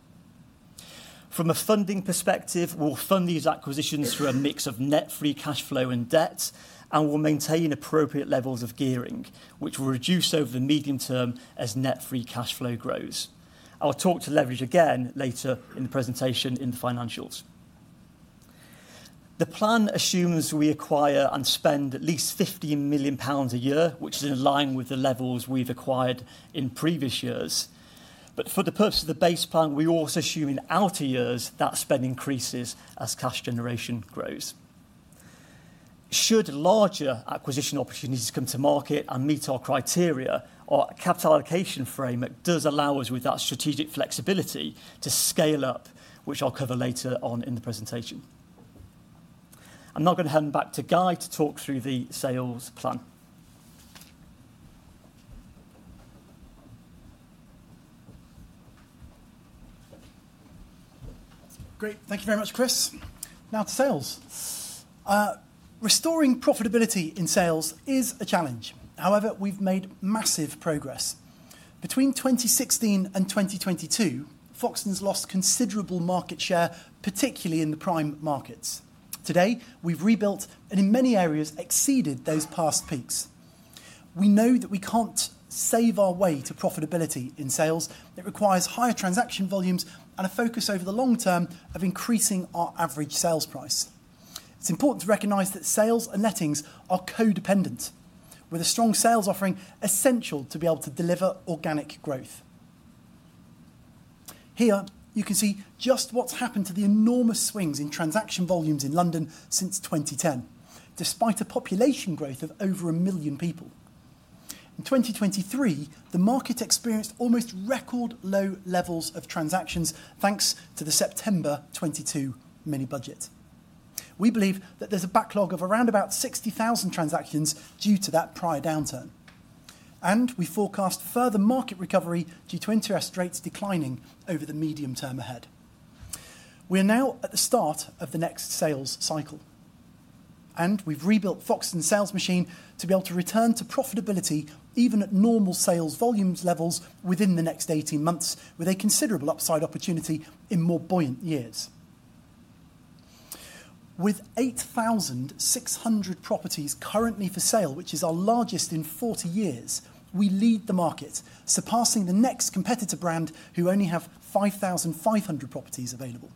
From a funding perspective, we'll fund these acquisitions through a mix of net-free cash flow and debt, and we'll maintain appropriate levels of gearing, which will reduce over the medium term as net-free cash flow grows. I'll talk to leverage again later in the presentation in the financials. The plan assumes we acquire and spend at least 15 million pounds a year, which is in line with the levels we've acquired in previous years. For the purpose of the base plan, we also assume in outer years that spending increases as cash generation grows. Should larger acquisition opportunities come to market and meet our criteria, our capital allocation frame does allow us with that strategic flexibility to scale up, which I'll cover later on in the presentation. I'm now going to hand back to Guy to talk through the sales plan. Great. Thank you very much, Chris. Now to sales. Restoring profitability in sales is a challenge. However, we've made massive progress. Between 2016 and 2022, Foxtons lost considerable market share, particularly in the prime markets. Today, we've rebuilt and in many areas exceeded those past peaks. We know that we can't save our way to profitability in sales. It requires higher transaction volumes and a focus over the long term of increasing our average sales price. It's important to recognize that sales and lettings are co-dependent, with a strong sales offering essential to be able to deliver organic growth. Here, you can see just what's happened to the enormous swings in transaction volumes in London since 2010, despite a population growth of over a million people. In 2023, the market experienced almost record low levels of transactions thanks to the September 2022 mini-budget. We believe that there's a backlog of around about 60,000 transactions due to that prior downturn. We forecast further market recovery due to interest rates declining over the medium term ahead. We are now at the start of the next sales cycle. We have rebuilt Foxtons' sales machine to be able to return to profitability even at normal sales volumes levels within the next 18 months, with a considerable upside opportunity in more buoyant years. With 8,600 properties currently for sale, which is our largest in 40 years, we lead the market, surpassing the next competitor brand who only have 5,500 properties available.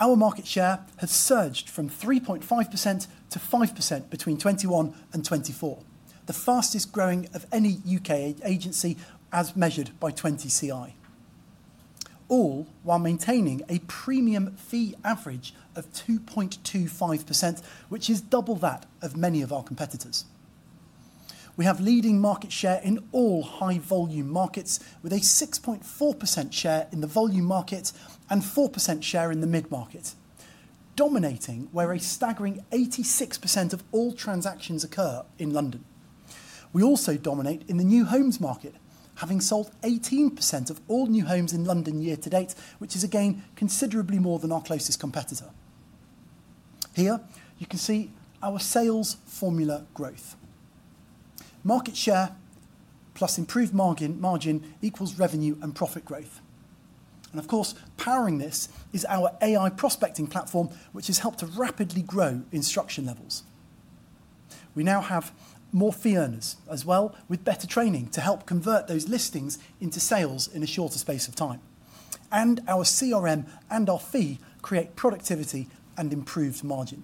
Our market share has surged from 3.5% to 5% between 2021 and 2024, the fastest growing of any U.K. agency as measured by 20 CI, all while maintaining a premium fee average of 2.25%, which is double that of many of our competitors. We have leading market share in all high-volume markets, with a 6.4% share in the volume market and 4% share in the mid-market, dominating where a staggering 86% of all transactions occur in London. We also dominate in the new homes market, having sold 18% of all new homes in London year to date, which is again considerably more than our closest competitor. Here, you can see our sales formula growth. Market share plus improved margin equals revenue and profit growth. Of course, powering this is our AI prospecting platform, which has helped to rapidly grow instruction levels. We now have more fee earners as well, with better training to help convert those listings into sales in a shorter space of time. Our CRM and our fee create productivity and improved margin.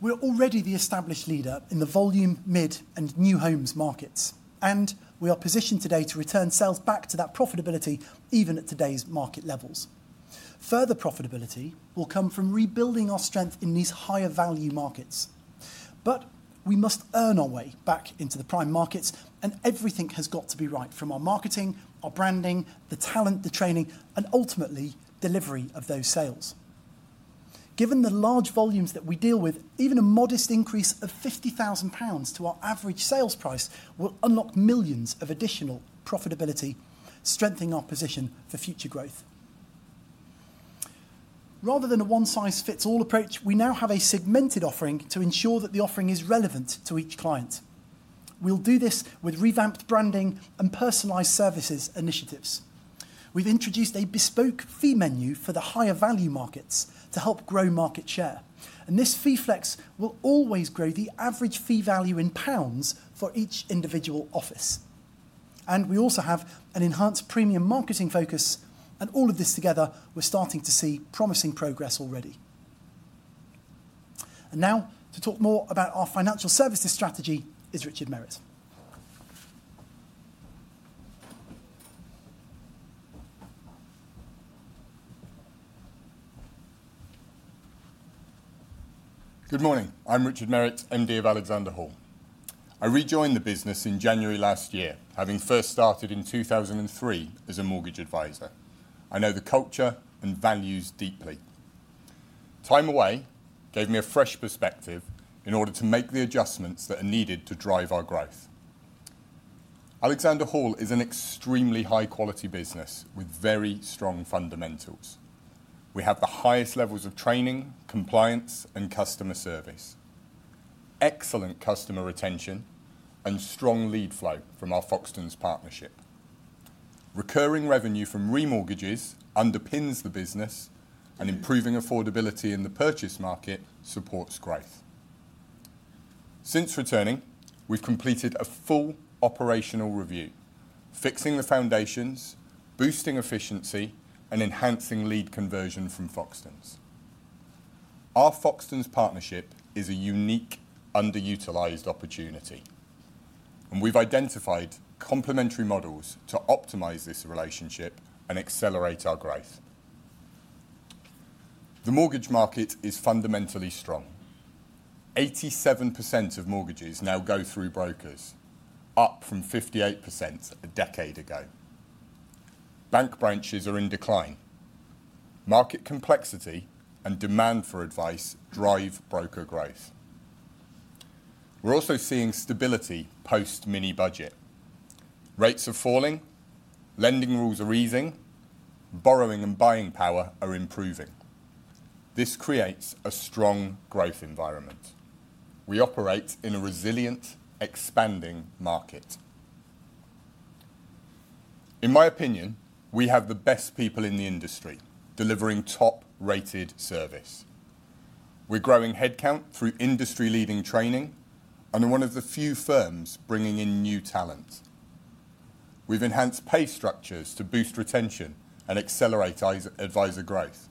We're already the established leader in the volume, mid, and new homes markets, and we are positioned today to return sales back to that profitability even at today's market levels. Further profitability will come from rebuilding our strength in these higher value markets. We must earn our way back into the prime markets, and everything has got to be right from our marketing, our branding, the talent, the training, and ultimately delivery of those sales. Given the large volumes that we deal with, even a modest increase of 50,000 pounds to our average sales price will unlock millions of additional profitability, strengthening our position for future growth. Rather than a one-size-fits-all approach, we now have a segmented offering to ensure that the offering is relevant to each client. We'll do this with revamped branding and personalized services initiatives. have introduced a bespoke fee menu for the higher value markets to help grow market share. This fee flex will always grow the average fee value in GBP for each individual office. We also have an enhanced premium marketing focus. All of this together, we are starting to see promising progress already. Now to talk more about our financial services strategy is Richard Merrett. Good morning. I'm Richard Merrett, MD of Alexander Hall. I rejoined the business in January last year, having first started in 2003 as a mortgage advisor. I know the culture and values deeply. Time away gave me a fresh perspective in order to make the adjustments that are needed to drive our growth. Alexander Hall is an extremely high-quality business with very strong fundamentals. We have the highest levels of training, compliance, and customer service, excellent customer retention, and strong lead flow from our Foxtons partnership. Recurring revenue from remortgages underpins the business, and improving affordability in the purchase market supports growth. Since returning, we've completed a full operational review, fixing the foundations, boosting efficiency, and enhancing lead conversion from Foxtons. Our Foxtons partnership is a unique underutilized opportunity, and we've identified complementary models to optimize this relationship and accelerate our growth. The mortgage market is fundamentally strong. 87% of mortgages now go through brokers, up from 58% a decade ago. Bank branches are in decline. Market complexity and demand for advice drive broker growth. We are also seeing stability post-mini-budget. Rates are falling, lending rules are easing, borrowing and buying power are improving. This creates a strong growth environment. We operate in a resilient, expanding market. In my opinion, we have the best people in the industry delivering top-rated service. We are growing headcount through industry-leading training and are one of the few firms bringing in new talent. We have enhanced pay structures to boost retention and accelerate advisor growth.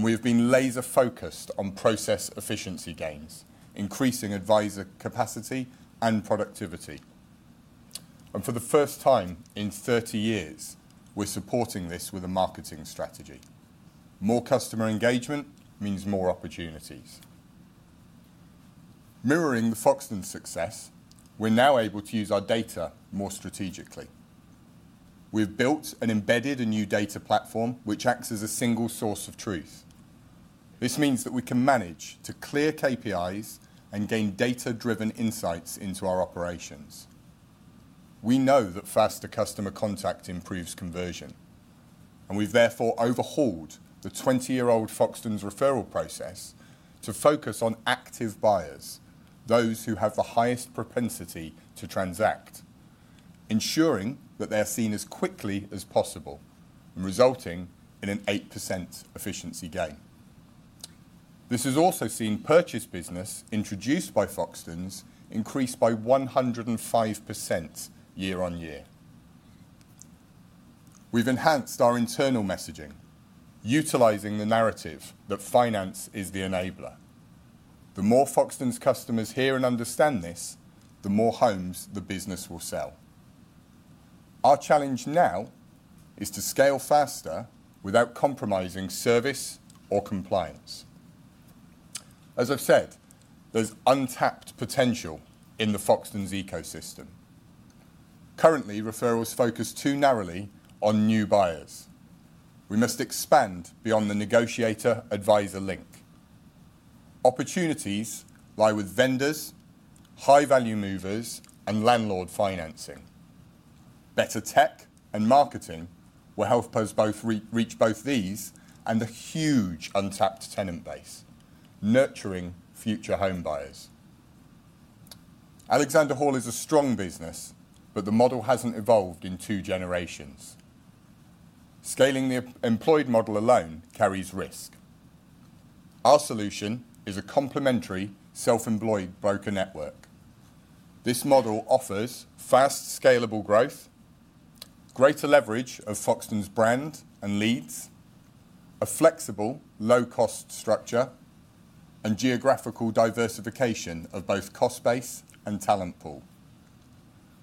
We have been laser-focused on process efficiency gains, increasing advisor capacity and productivity. For the first time in 30 years, we are supporting this with a marketing strategy. More customer engagement means more opportunities. Mirroring the Foxtons success, we are now able to use our data more strategically. We've built and embedded a new data platform, which acts as a single source of truth. This means that we can manage to clear KPIs and gain data-driven insights into our operations. We know that faster customer contact improves conversion, and we've therefore overhauled the 20-year-old Foxtons referral process to focus on active buyers, those who have the highest propensity to transact, ensuring that they're seen as quickly as possible and resulting in an 8% efficiency gain. This has also seen purchase business introduced by Foxtons increase by 105% year on year. We've enhanced our internal messaging, utilizing the narrative that finance is the enabler. The more Foxtons customers hear and understand this, the more homes the business will sell. Our challenge now is to scale faster without compromising service or compliance. As I've said, there's untapped potential in the Foxtons ecosystem. Currently, referrals focus too narrowly on new buyers. We must expand beyond the negotiator-advisor link. Opportunities lie with vendors, high-value movers, and landlord financing. Better tech and marketing will help us both reach both these and a huge untapped tenant base, nurturing future home buyers. Alexander Hall is a strong business, but the model has not evolved in two generations. Scaling the employed model alone carries risk. Our solution is a complementary self-employed broker network. This model offers fast, scalable growth, greater leverage of Foxtons brand and leads, a flexible, low-cost structure, and geographical diversification of both cost base and talent pool.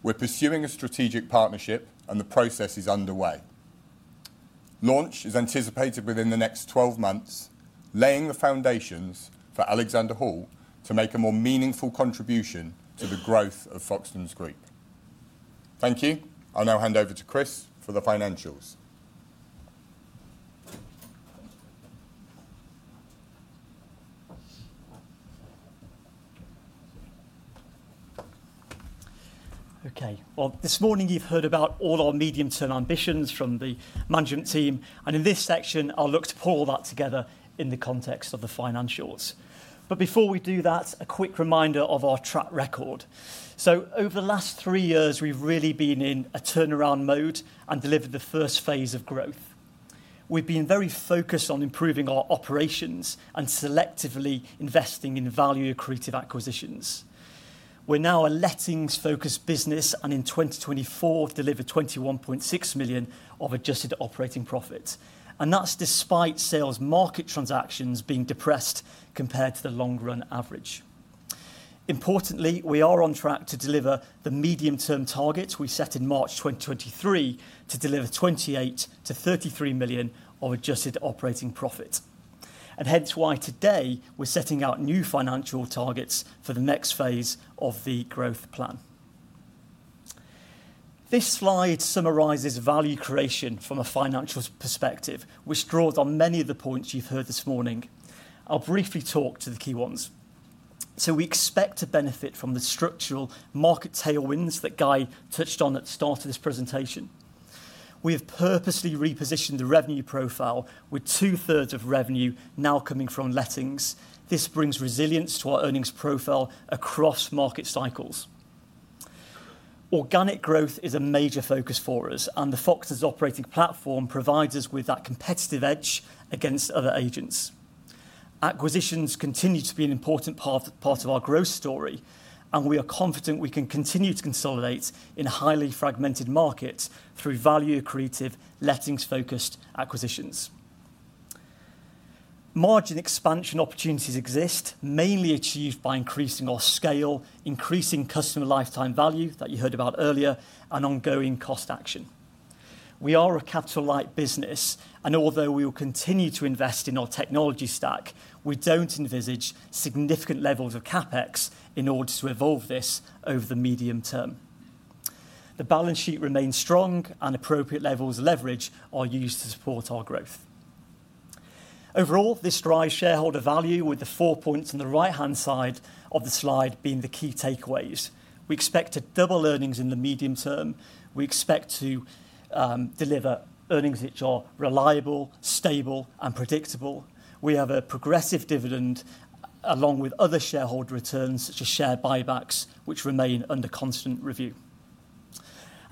We are pursuing a strategic partnership, and the process is underway. Launch is anticipated within the next 12 months, laying the foundations for Alexander Hall to make a more meaningful contribution to the growth of Foxtons Group. Thank you. I will now hand over to Chris for the financials. Okay. This morning, you've heard about all our medium-term ambitions from the management team. In this section, I'll look to pull all that together in the context of the financials. Before we do that, a quick reminder of our track record. Over the last three years, we've really been in a turnaround mode and delivered the first phase of growth. We've been very focused on improving our operations and selectively investing in value-accretive acquisitions. We're now a lettings-focused business and in 2024, delivered 21.6 million of adjusted operating profit. That's despite sales market transactions being depressed compared to the long-run average. Importantly, we are on track to deliver the medium-term targets we set in March 2023 to deliver 28-33 million of adjusted operating profit. That is why today, we're setting out new financial targets for the next phase of the growth plan. This slide summarizes value creation from a financial perspective, which draws on many of the points you've heard this morning. I'll briefly talk to the key ones. We expect to benefit from the structural market tailwinds that Guy touched on at the start of this presentation. We have purposely repositioned the revenue profile, with 2/3 of revenue now coming from lettings. This brings resilience to our earnings profile across market cycles. Organic growth is a major focus for us, and the Foxtons operating platform provides us with that competitive edge against other agents. Acquisitions continue to be an important part of our growth story, and we are confident we can continue to consolidate in a highly fragmented market through value-accretive, lettings-focused acquisitions. Margin expansion opportunities exist, mainly achieved by increasing our scale, increasing customer lifetime value that you heard about earlier, and ongoing cost action. We are a capital-light business, and although we will continue to invest in our technology stack, we do not envisage significant levels of CapEx in order to evolve this over the medium term. The balance sheet remains strong, and appropriate levels of leverage are used to support our growth. Overall, this drives shareholder value, with the four points on the right-hand side of the slide being the key takeaways. We expect to double earnings in the medium term. We expect to deliver earnings which are reliable, stable, and predictable. We have a progressive dividend along with other shareholder returns, such as share buybacks, which remain under constant review.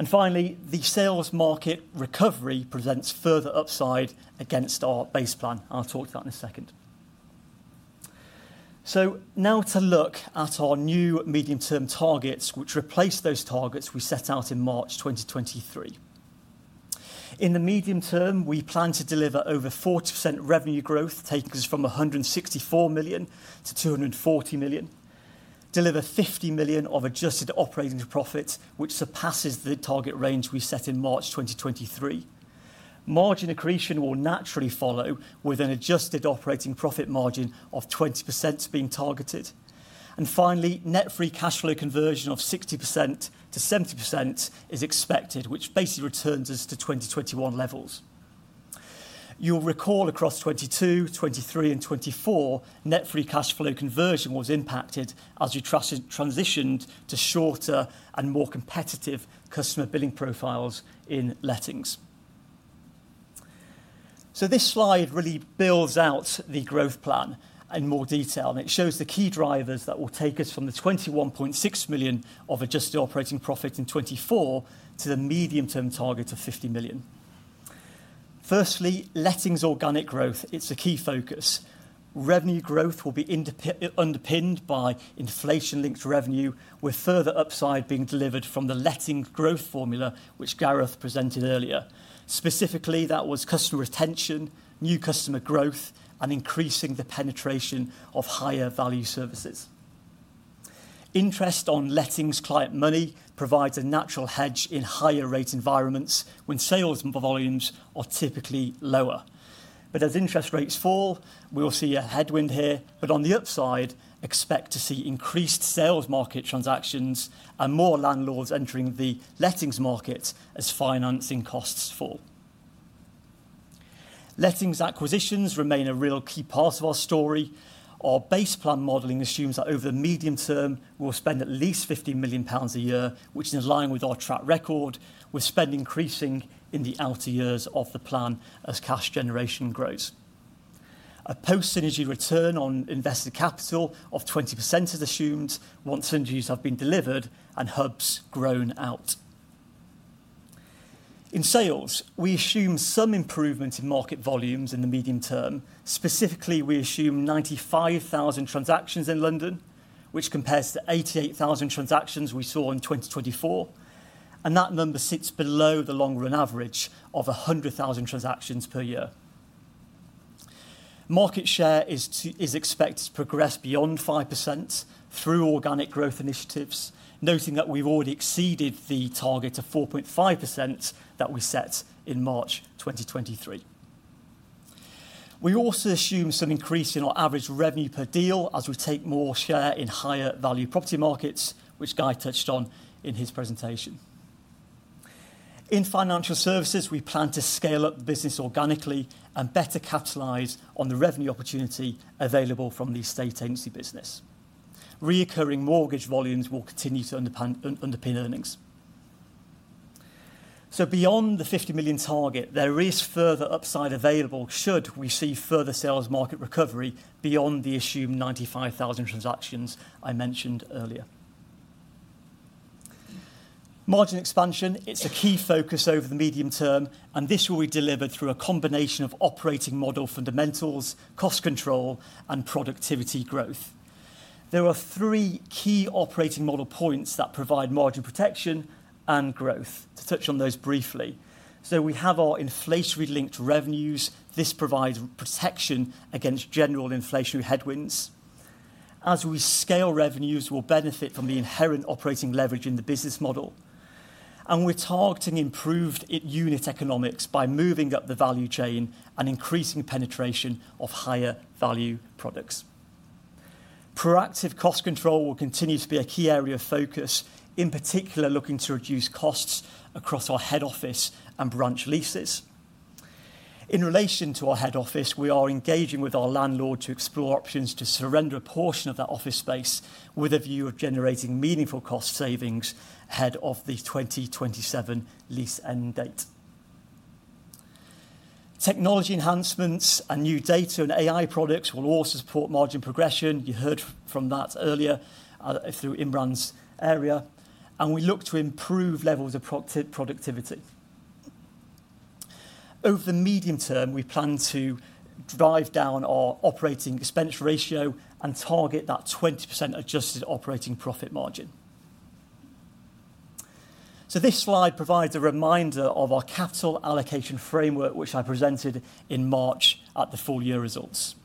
Finally, the sales market recovery presents further upside against our base plan. I'll talk to that in a second. Now to look at our new medium-term targets, which replace those targets we set out in March 2023. In the medium term, we plan to deliver over 40% revenue growth, taking us from 164 million to 240 million, deliver 50 million of adjusted operating profit, which surpasses the target range we set in March 2023. Margin accretion will naturally follow, with an adjusted operating profit margin of 20% being targeted. Finally, net-free cash flow conversion of 60%-70% is expected, which basically returns us to 2021 levels. You'll recall across 2022, 2023, and 2024, net-free cash flow conversion was impacted as we transitioned to shorter and more competitive customer billing profiles in lettings. This slide really builds out the growth plan in more detail, and it shows the key drivers that will take us from the 21.6 million of adjusted operating profit in 2024 to the medium-term target of 50 million. Firstly, lettings organic growth. It's a key focus. Revenue growth will be underpinned by inflation-linked revenue, with further upside being delivered from the letting growth formula, which Gareth presented earlier. Specifically, that was customer retention, new customer growth, and increasing the penetration of higher value services. Interest on lettings client money provides a natural hedge in higher rate environments when sales volumes are typically lower. As interest rates fall, we will see a headwind here. On the upside, expect to see increased sales market transactions and more landlords entering the lettings market as financing costs fall. Lettings acquisitions remain a real key part of our story. Our base plan modeling assumes that over the medium term, we will spend at least 15 million pounds a year, which is in line with our track record, with spending increasing in the outer years of the plan as cash generation grows. A post-synergy return on invested capital of 20% is assumed once synergies have been delivered and hubs grown out. In sales, we assume some improvement in market volumes in the medium term. Specifically, we assume 95,000 transactions in London, which compares to 88,000 transactions we saw in 2024. That number sits below the long-run average of 100,000 transactions per year. Market share is expected to progress beyond 5% through organic growth initiatives, noting that we've already exceeded the target of 4.5% that we set in March 2023. We also assume some increase in our average revenue per deal as we take more share in higher value property markets, which Guy touched on in his presentation. In financial services, we plan to scale up the business organically and better capitalize on the revenue opportunity available from the estate agency business. Recurring mortgage volumes will continue to underpin earnings. Beyond the 50 million target, there is further upside available should we see further sales market recovery beyond the assumed 95,000 transactions I mentioned earlier. Margin expansion, it's a key focus over the medium term, and this will be delivered through a combination of operating model fundamentals, cost control, and productivity growth. There are three key operating model points that provide margin protection and growth. To touch on those briefly, we have our inflationary linked revenues. This provides protection against general inflationary headwinds. As we scale, revenues will benefit from the inherent operating leverage in the business model. We're targeting improved unit economics by moving up the value chain and increasing penetration of higher value products. Proactive cost control will continue to be a key area of focus, in particular looking to reduce costs across our head office and branch leases. In relation to our head office, we are engaging with our landlord to explore options to surrender a portion of that office space with a view of generating meaningful cost savings ahead of the 2027 lease end date. Technology enhancements and new data and AI products will also support margin progression. You heard from that earlier through Imran's area. We look to improve levels of productivity. Over the medium term, we plan to drive down our operating expense ratio and target that 20% adjusted operating profit margin. This slide provides a reminder of our capital allocation framework, which I presented in March at the full year results.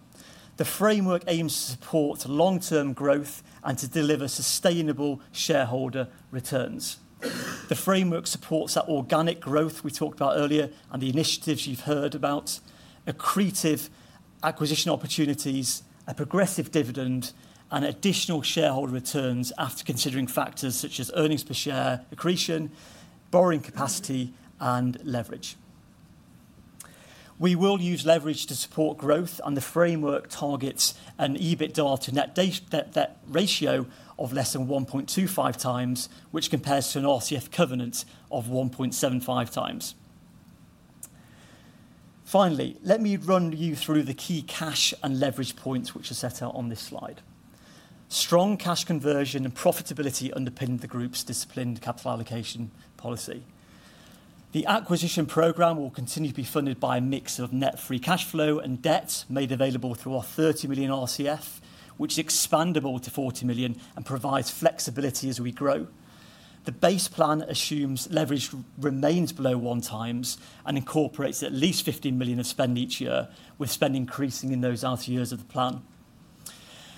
The framework aims to support long-term growth and to deliver sustainable shareholder returns. The framework supports that organic growth we talked about earlier and the initiatives you've heard about, accretive acquisition opportunities, a progressive dividend, and additional shareholder returns after considering factors such as earnings per share accretion, borrowing capacity, and leverage. We will use leverage to support growth, and the framework targets an EBITDA to net ratio of less than 1.25 times, which compares to an RCF covenant of 1.75 times. Finally, let me run you through the key cash and leverage points which are set out on this slide. Strong cash conversion and profitability underpin the group's disciplined capital allocation policy. The acquisition program will continue to be funded by a mix of net-free cash flow and debt made available through our 30 million RCF, which is expandable to 40 million and provides flexibility as we grow. The base plan assumes leverage remains below one times and incorporates at least 15 million of spend each year, with spend increasing in those outer years of the plan.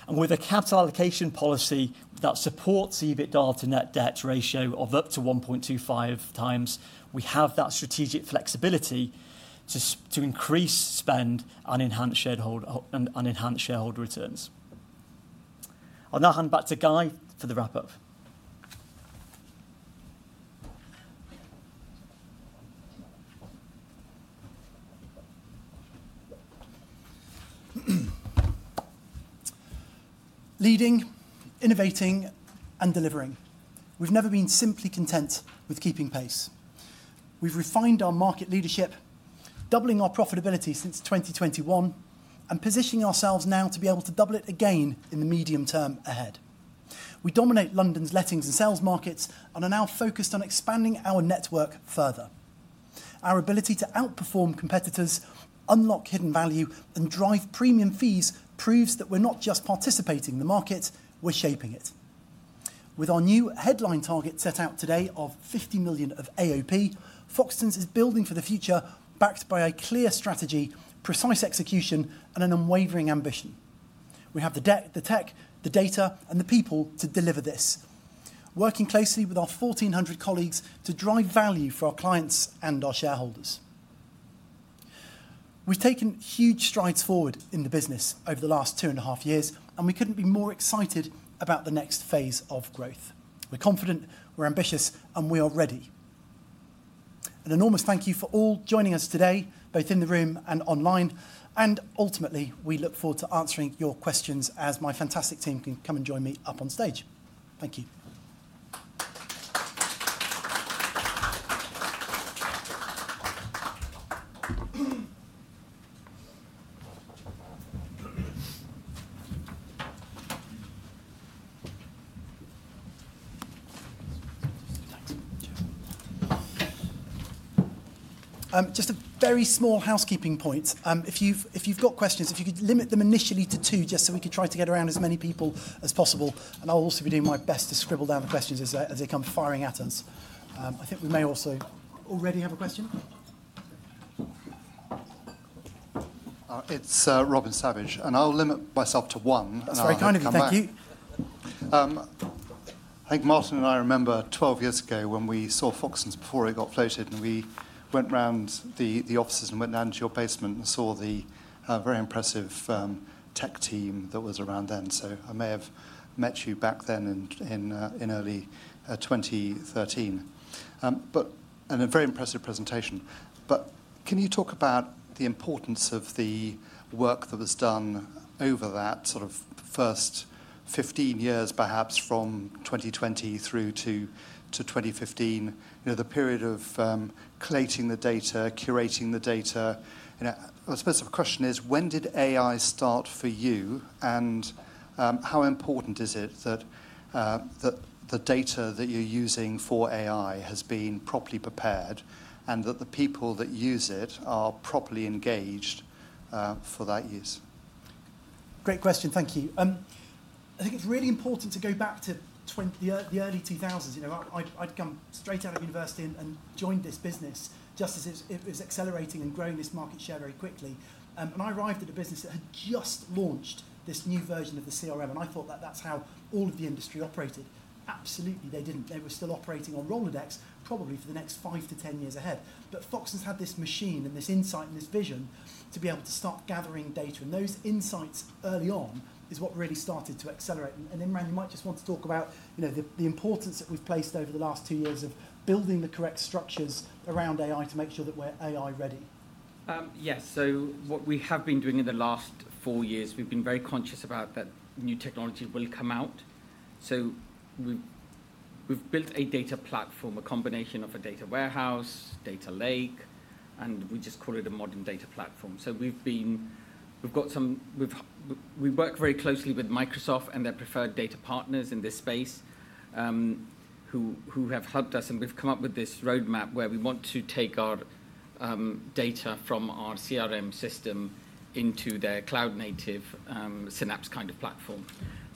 With a capital allocation policy that supports EBITDA to net debt ratio of up to 1.25 times, we have that strategic flexibility to increase spend and enhance shareholder returns. I'll now hand back to Guy for the wrap-up. Leading, innovating, and delivering. We've never been simply content with keeping pace. We've refined our market leadership, doubling our profitability since 2021, and positioning ourselves now to be able to double it again in the medium term ahead. We dominate London's lettings and sales markets and are now focused on expanding our network further. Our ability to outperform competitors, unlock hidden value, and drive premium fees proves that we're not just participating in the market; we're shaping it. With our new headline target set out today of 50 million of AOP, Foxtons is building for the future backed by a clear strategy, precise execution, and an unwavering ambition. We have the tech, the data, and the people to deliver this, working closely with our 1,400 colleagues to drive value for our clients and our shareholders. We have taken huge strides forward in the business over the last two and a half years, and we could not be more excited about the next phase of growth. We are confident, we are ambitious, and we are ready. An enormous thank you for all joining us today, both in the room and online. Ultimately, we look forward to answering your questions as my fantastic team can come and join me up on stage. Thank you. Just a very small housekeeping point. If you've got questions, if you could limit them initially to two, just so we could try to get around as many people as possible. I'll also be doing my best to scribble down the questions as they come firing at us. I think we may also already have a question. It's Robin Savage, and I'll limit myself to one. Sorry, kind of you. Thank you. I think Martin and I remember 12 years ago when we saw Foxtons before it got floated, and we went around the offices and went down to your basement and saw the very impressive tech team that was around then. I may have met you back then in early 2013, and a very impressive presentation. Can you talk about the importance of the work that was done over that sort of first 15 years, perhaps from 2020 through to 2015, the period of collating the data, curating the data? I suppose the question is, when did AI start for you, and how important is it that the data that you're using for AI has been properly prepared and that the people that use it are properly engaged for that use? Great question. Thank you. I think it's really important to go back to the early 2000s. I had come straight out of university and joined this business just as it was accelerating and growing this market share very quickly. I arrived at a business that had just launched this new version of the CRM, and I thought that that's how all of the industry operated. Absolutely, they did not. They were still operating on Rolodex, probably for the next five to ten years ahead. Foxtons had this machine and this insight and this vision to be able to start gathering data. Those insights early on are what really started to accelerate. Imran, you might just want to talk about the importance that we have placed over the last two years of building the correct structures around AI to make sure that we are AI ready. Yes. What we have been doing in the last four years, we have been very conscious about that new technology will come out. We have built a data platform, a combination of a data warehouse, data lake, and we just call it a modern data platform. We work very closely with Microsoft and their preferred data partners in this space who have helped us. We've come up with this roadmap where we want to take our data from our CRM system into their cloud-native Synapse kind of platform.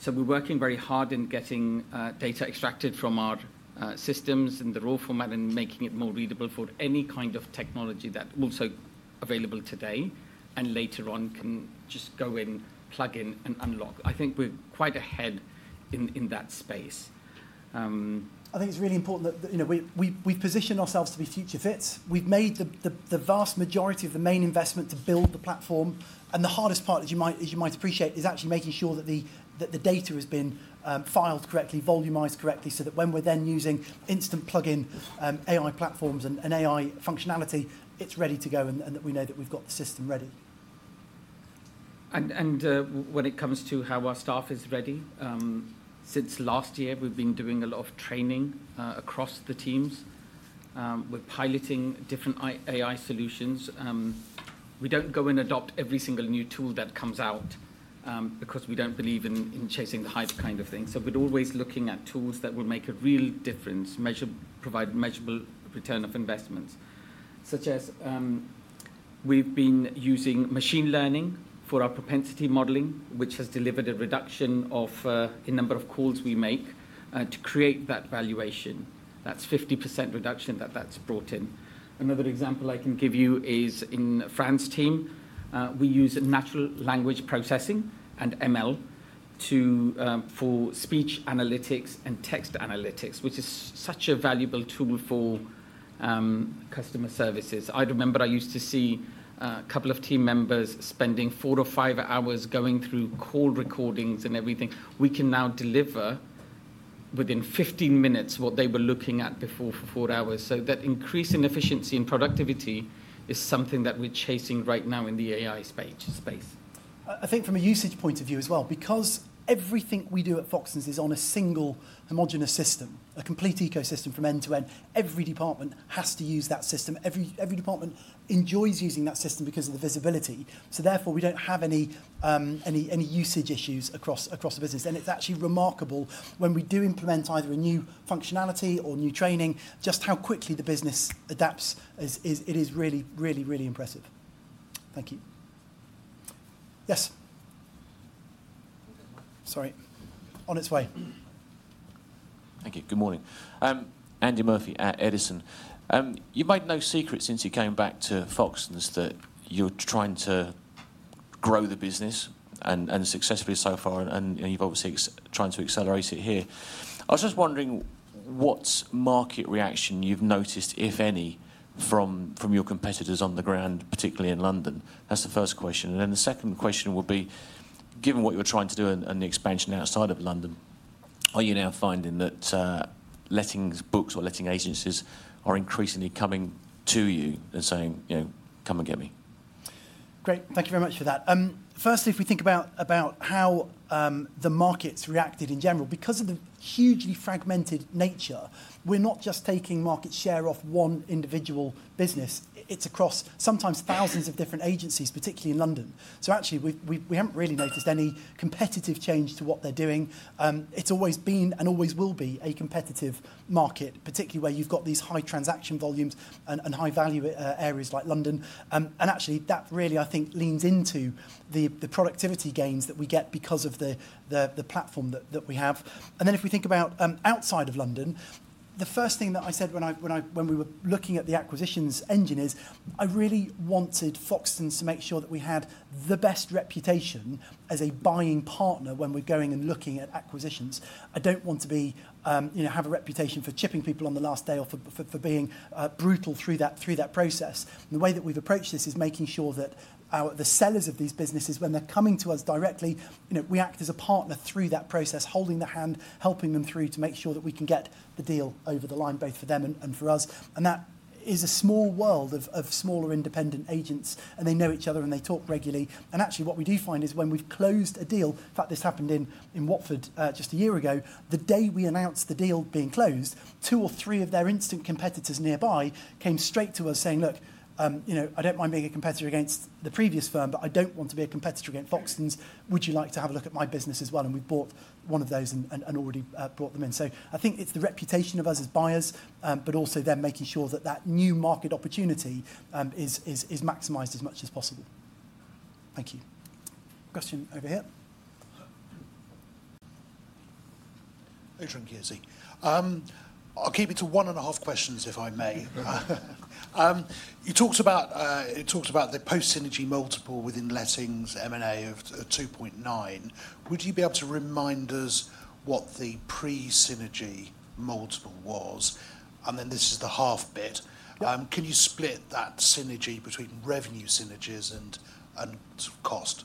We are working very hard in getting data extracted from our systems in the raw format and making it more readable for any kind of technology that's also available today and later on can just go in, plug in, and unlock. I think we are quite ahead in that space. I think it's really important that we've positioned ourselves to be FutureFits. We've made the vast majority of the main investment to build the platform. The hardest part, as you might appreciate, is actually making sure that the data has been filed correctly, volumized correctly, so that when we are then using instant plug-in AI platforms and AI functionality, it's ready to go and that we know that we've got the system ready. When it comes to how our staff is ready, since last year, we've been doing a lot of training across the teams. We're piloting different AI solutions. We don't go and adopt every single new tool that comes out because we don't believe in chasing the hype kind of thing. We're always looking at tools that will make a real difference, provide measurable return on investments, such as we've been using machine learning for our propensity modeling, which has delivered a reduction in the number of calls we make to create that valuation. That's a 50% reduction that that's brought in. Another example I can give you is in the France team. We use natural language processing and ML for speech analytics and text analytics, which is such a valuable tool for customer services. I remember I used to see a couple of team members spending four or five hours going through call recordings and everything. We can now deliver within 15 minutes what they were looking at before for four hours. That increase in efficiency and productivity is something that we're chasing right now in the AI space. I think from a usage point of view as well, because everything we do at Foxtons is on a single homogenous system, a complete ecosystem from end to end. Every department has to use that system. Every department enjoys using that system because of the visibility. Therefore, we do not have any usage issues across the business. It is actually remarkable when we do implement either a new functionality or new training, just how quickly the business adapts. It is really, really, really impressive. Thank you. Yes. Sorry. On its way. Thank you. Good morning. Andy Murphy at Edison. You might know, since you came back to Foxtons, that you're trying to grow the business and successfully so far, and you've obviously tried to accelerate it here. I was just wondering what market reaction you've noticed, if any, from your competitors on the ground, particularly in London. That's the first question. The second question will be, given what you're trying to do and the expansion outside of London, are you now finding that letting books or letting agencies are increasingly coming to you and saying, "Come and get me"? Great. Thank you very much for that. Firstly, if we think about how the market's reacted in general, because of the hugely fragmented nature, we're not just taking market share off one individual business. It's across sometimes thousands of different agencies, particularly in London. Actually, we haven't really noticed any competitive change to what they're doing. It's always been and always will be a competitive market, particularly where you've got these high transaction volumes and high value areas like London. That really, I think, leans into the productivity gains that we get because of the platform that we have. If we think about outside of London, the first thing that I said when we were looking at the acquisitions engine is I really wanted Foxtons to make sure that we had the best reputation as a buying partner when we're going and looking at acquisitions. I don't want to have a reputation for chipping people on the last day or for being brutal through that process. The way that we've approached this is making sure that the sellers of these businesses, when they're coming to us directly, we act as a partner through that process, holding their hand, helping them through to make sure that we can get the deal over the line, both for them and for us. That is a small world of smaller independent agents, and they know each other and they talk regularly. Actually, what we do find is when we've closed a deal—in fact, this happened in Watford just a year ago—the day we announced the deal being closed, two or three of their instant competitors nearby came straight to us saying, "Look, I don't mind being a competitor against the previous firm, but I don't want to be a competitor against Foxtons. Would you like to have a look at my business as well?" We bought one of those and already brought them in. I think it's the reputation of us as buyers, but also then making sure that that new market opportunity is maximized as much as possible. Thank you. Question over here. Adrian Gierzi. I'll keep it to one and a half questions if I may. It talks about the post-synergy multiple within lettings, M&A of 2.9. Would you be able to remind us what the pre-synergy multiple was? This is the half bit. Can you split that synergy between revenue synergies and cost?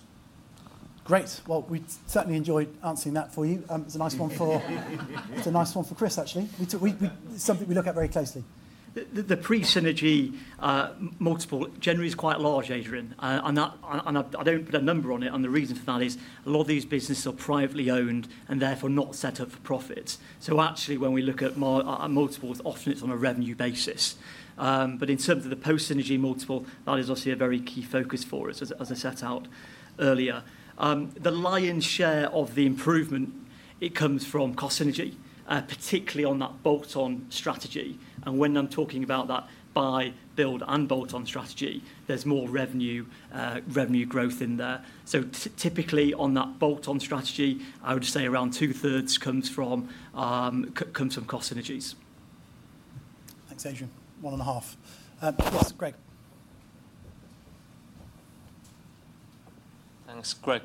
Great. We certainly enjoyed answering that for you. It's a nice one for Chris, actually. It's something we look at very closely. The pre-synergy multiple generally is quite large, Adrian. I don't put a number on it. The reason for that is a lot of these businesses are privately owned and therefore not set up for profits. Actually, when we look at multiples, often it is on a revenue basis. In terms of the post-synergy multiple, that is obviously a very key focus for us, as I set out earlier. The lion's share of the improvement comes from cost synergy, particularly on that bolt-on strategy. When I am talking about that buy, build, and bolt-on strategy, there is more revenue growth in there. Typically, on that bolt-on strategy, I would say around two-thirds comes from cost synergies. Thanks, Adrian. One and a half. Great. Thanks, Greg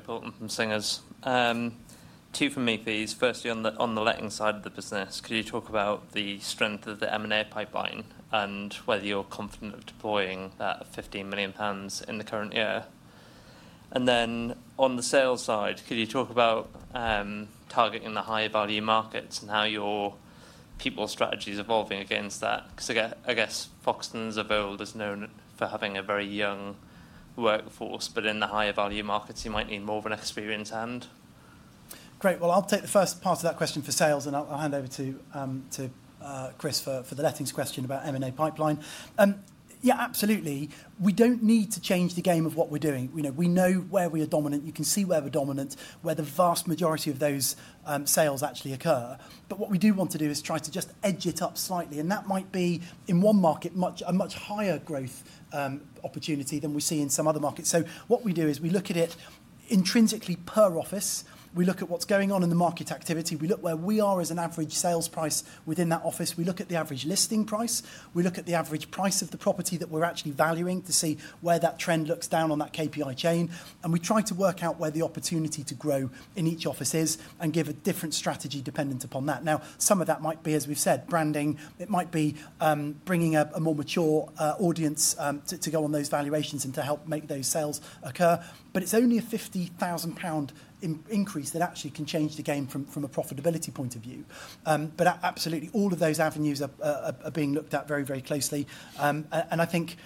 Poulton from Singers. Two for me, please. Firstly, on the lettings side of the business, could you talk about the strength of the M&A pipeline and whether you're confident of deploying that at 15 million pounds in the current year? And then on the sales side, could you talk about targeting the high-value markets and how your people strategy is evolving against that? Because I guess Foxtons of old is known for having a very young workforce, but in the high-value markets, you might need more of an experienced hand. Great. I'll take the first part of that question for sales, and I'll hand over to Chris for the lettings question about M&A pipeline. Yeah, absolutely. We don't need to change the game of what we're doing. We know where we are dominant. You can see where we're dominant, where the vast majority of those sales actually occur. What we do want to do is try to just edge it up slightly. That might be, in one market, a much higher growth opportunity than we see in some other markets. What we do is we look at it intrinsically per office. We look at what's going on in the market activity. We look where we are as an average sales price within that office. We look at the average listing price. We look at the average price of the property that we're actually valuing to see where that trend looks down on that KPI chain. We try to work out where the opportunity to grow in each office is and give a different strategy dependent upon that. Now, some of that might be, as we've said, branding. It might be bringing a more mature audience to go on those valuations and to help make those sales occur. It is only a 50,000 pound increase that actually can change the game from a profitability point of view. Absolutely, all of those avenues are being looked at very, very closely. I think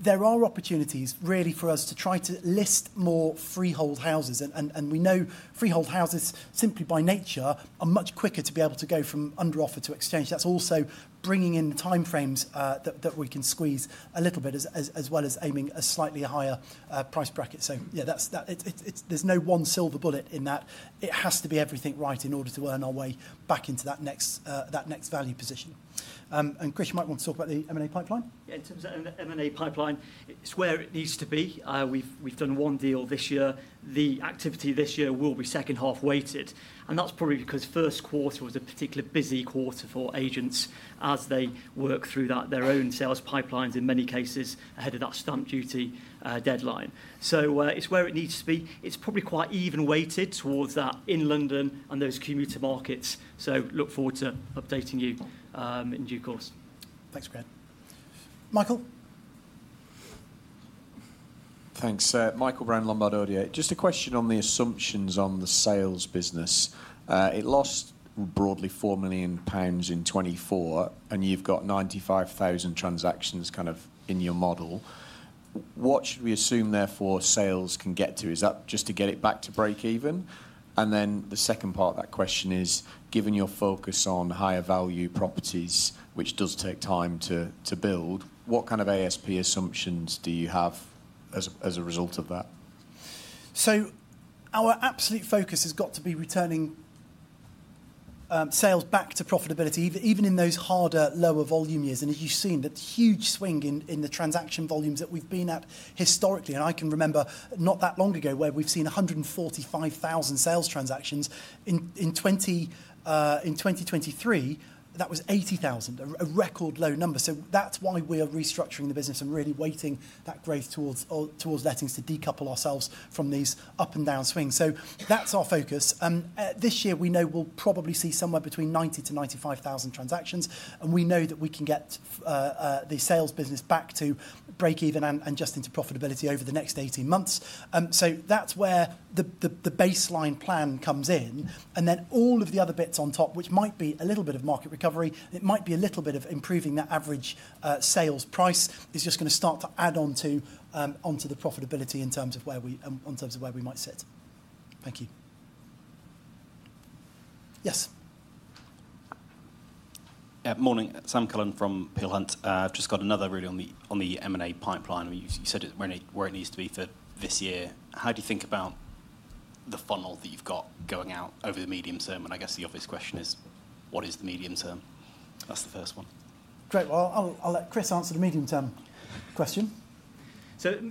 there are opportunities really for us to try to list more freehold houses. We know freehold houses, simply by nature, are much quicker to be able to go from under offer to exchange. That is also bringing in the time frames that we can squeeze a little bit, as well as aiming a slightly higher price bracket. There is no one silver bullet in that. It has to be everything right in order to earn our way back into that next value position. Chris might want to talk about the M&A pipeline. Yeah, in terms of the M&A pipeline, it's where it needs to be. We've done one deal this year. The activity this year will be second half weighted. That's probably because first quarter was a particularly busy quarter for agents as they work through their own sales pipelines in many cases ahead of that stamp duty deadline. It's where it needs to be. It's probably quite even weighted towards that in London and those commuter markets. Look forward to updating you in due course. Thanks, Greg. Michael. Thanks. Michael Brennan, Lombard Odier. Just a question on the assumptions on the sales business. It lost broadly 4 million pounds in 2024, and you've got 95,000 transactions kind of in your model. What should we assume therefore sales can get to? Is that just to get it back to break even? The second part of that question is, given your focus on higher value properties, which does take time to build, what kind of ASP assumptions do you have as a result of that? Our absolute focus has got to be returning sales back to profitability, even in those harder, lower volume years. As you have seen, that huge swing in the transaction volumes that we have been at historically. I can remember not that long ago where we have seen 145,000 sales transactions. In 2023, that was 80,000, a record low number. That is why we are restructuring the business and really weighting that growth towards lettings to decouple ourselves from these up and down swings. That is our focus. This year, we know we will probably see somewhere between 90,000 and 95,000 transactions. We know that we can get the sales business back to break even and just into profitability over the next 18 months. That is where the baseline plan comes in. All of the other bits on top, which might be a little bit of market recovery, it might be a little bit of improving that average sales price, is just going to start to add on to the profitability in terms of where we might sit. Thank you. Yes. Yeah, morning. Sam Cullen from Peel Hunt. Just got another read on the M&A pipeline. You said it is where it needs to be for this year. How do you think about the funnel that you have got going out over the medium term? I guess the obvious question is, what is the medium term? That is the first one. Great. I will let Chris answer the medium term question.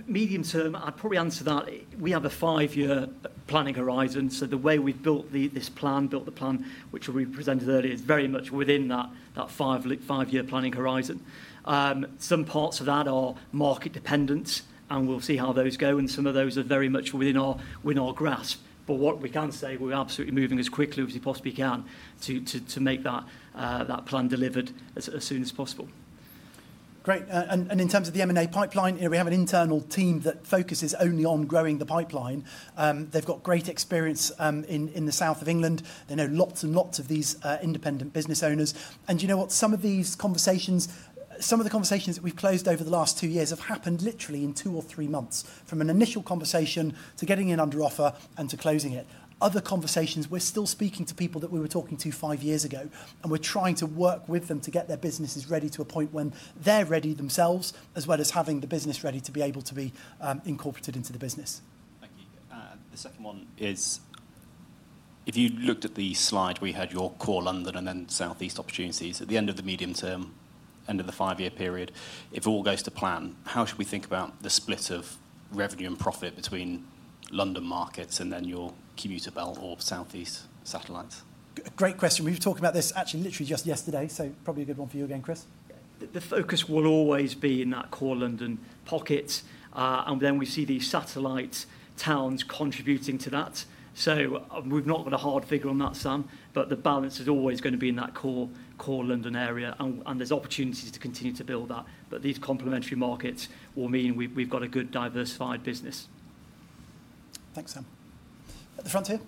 Medium term, I'd probably answer that. We have a five-year planning horizon. The way we've built this plan, built the plan, which we presented earlier, is very much within that five-year planning horizon. Some parts of that are market dependent, and we'll see how those go. Some of those are very much within our grasp. What we can say, we're absolutely moving as quickly as we possibly can to make that plan delivered as soon as possible. Great. In terms of the M&A pipeline, we have an internal team that focuses only on growing the pipeline. They've got great experience in the south of England. They know lots and lots of these independent business owners. You know what? Some of these conversations, some of the conversations that we've closed over the last two years have happened literally in two or three months, from an initial conversation to getting an under offer and to closing it. Other conversations, we're still speaking to people that we were talking to five years ago, and we're trying to work with them to get their businesses ready to a point when they're ready themselves, as well as having the business ready to be able to be incorporated into the business. Thank you. The second one is, if you looked at the slide, we had your core London and then southeast opportunities. At the end of the medium term, end of the five-year period, if all goes to plan, how should we think about the split of revenue and profit between London markets and then your commuter belt or southeast satellites? Great question. We were talking about this actually literally just yesterday. Probably a good one for you again, Chris. The focus will always be in that core London pocket. We see these satellite towns contributing to that. We've not got a hard figure on that, Sam, but the balance is always going to be in that core London area. There are opportunities to continue to build that. These complementary markets will mean we've got a good diversified business. Thanks, Sam. The frontier.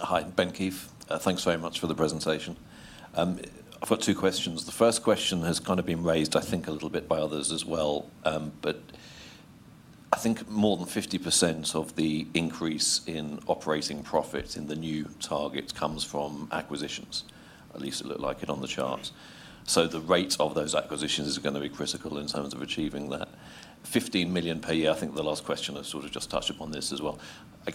Hi, Ben Keith. Thanks very much for the presentation. I've got two questions. The first question has kind of been raised, I think, a little bit by others as well. I think more than 50% of the increase in operating profits in the new targets comes from acquisitions, at least it looked like it on the charts. The rate of those acquisitions is going to be critical in terms of achieving that. 15 million per year, I think the last question has sort of just touched upon this as well.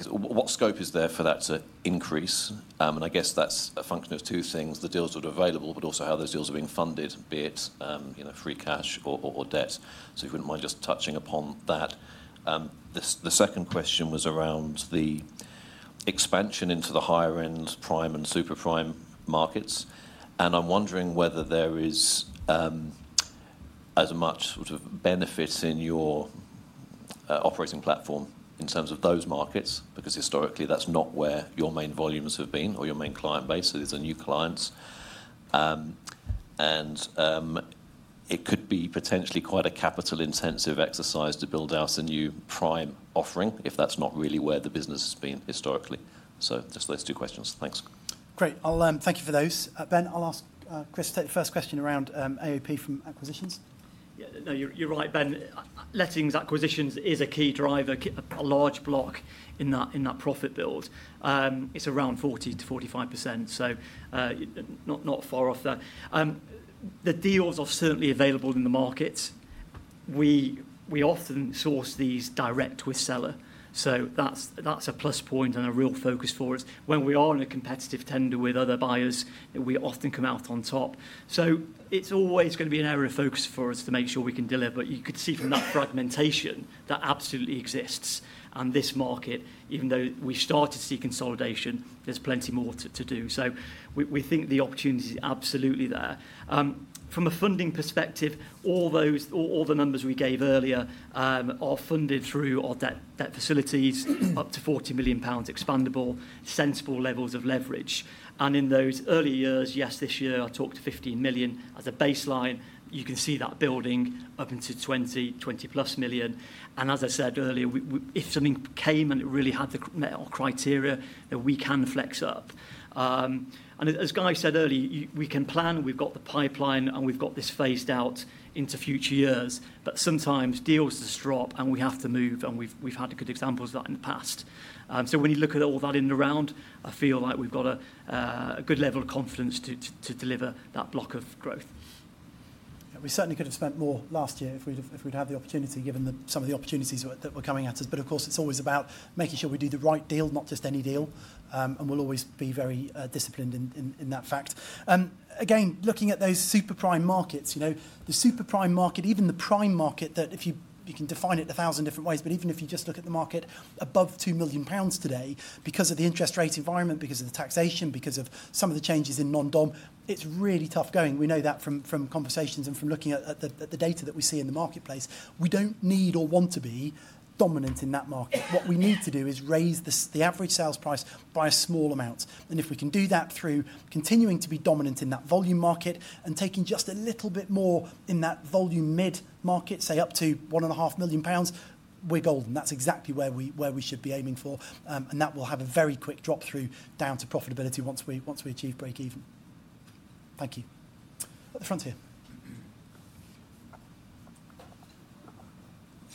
What scope is there for that to increase? I guess that's a function of two things. The deals that are available, but also how those deals are being funded, be it free cash or debt. If you wouldn't mind just touching upon that. The second question was around the expansion into the higher-end prime and super prime markets. I'm wondering whether there is as much sort of benefit in your operating platform in terms of those markets, because historically, that's not where your main volumes have been or your main client base. These are new clients. It could be potentially quite a capital-intensive exercise to build out a new prime offering if that's not really where the business has been historically. Just those two questions. Thanks. Great. Thank you for those. Ben, I'll ask Chris to take the first question around AOP from acquisitions. Yeah, no, you're right, Ben. Lettings acquisitions is a key driver, a large block in that profit build. It's around 40-45%, so not far off there. The deals are certainly available in the markets. We often source these direct with seller. That's a plus point and a real focus for us. When we are in a competitive tender with other buyers, we often come out on top. It's always going to be an area of focus for us to make sure we can deliver. You could see from that fragmentation that absolutely exists. This market, even though we started to see consolidation, has plenty more to do. We think the opportunity is absolutely there. From a funding perspective, all the numbers we gave earlier are funded through our debt facilities, up to 40 million pounds expandable, sensible levels of leverage. In those early years, yes, this year, I talked to 15 million as a baseline. You can see that building up into 20-20 plus million. As I said earlier, if something came and it really had our criteria, then we can flex up. As Guy said earlier, we can plan, we have got the pipeline, and we have got this phased out into future years. Sometimes deals just drop, and we have to move. We have had good examples of that in the past. When you look at all that in and around, I feel like we've got a good level of confidence to deliver that block of growth. We certainly could have spent more last year if we'd had the opportunity, given some of the opportunities that were coming at us. Of course, it's always about making sure we do the right deal, not just any deal. We'll always be very disciplined in that fact. Again, looking at those super prime markets, the super prime market, even the prime market, that if you can define it a thousand different ways, but even if you just look at the market above 2 million pounds today, because of the interest rate environment, because of the taxation, because of some of the changes in non-dom, it's really tough going. We know that from conversations and from looking at the data that we see in the marketplace. We do not need or want to be dominant in that market. What we need to do is raise the average sales price by a small amount. If we can do that through continuing to be dominant in that volume market and taking just a little bit more in that volume mid market, say up to 1.5 million pounds, we are golden. That is exactly where we should be aiming for. That will have a very quick drop through down to profitability once we achieve break even. Thank you. The frontier.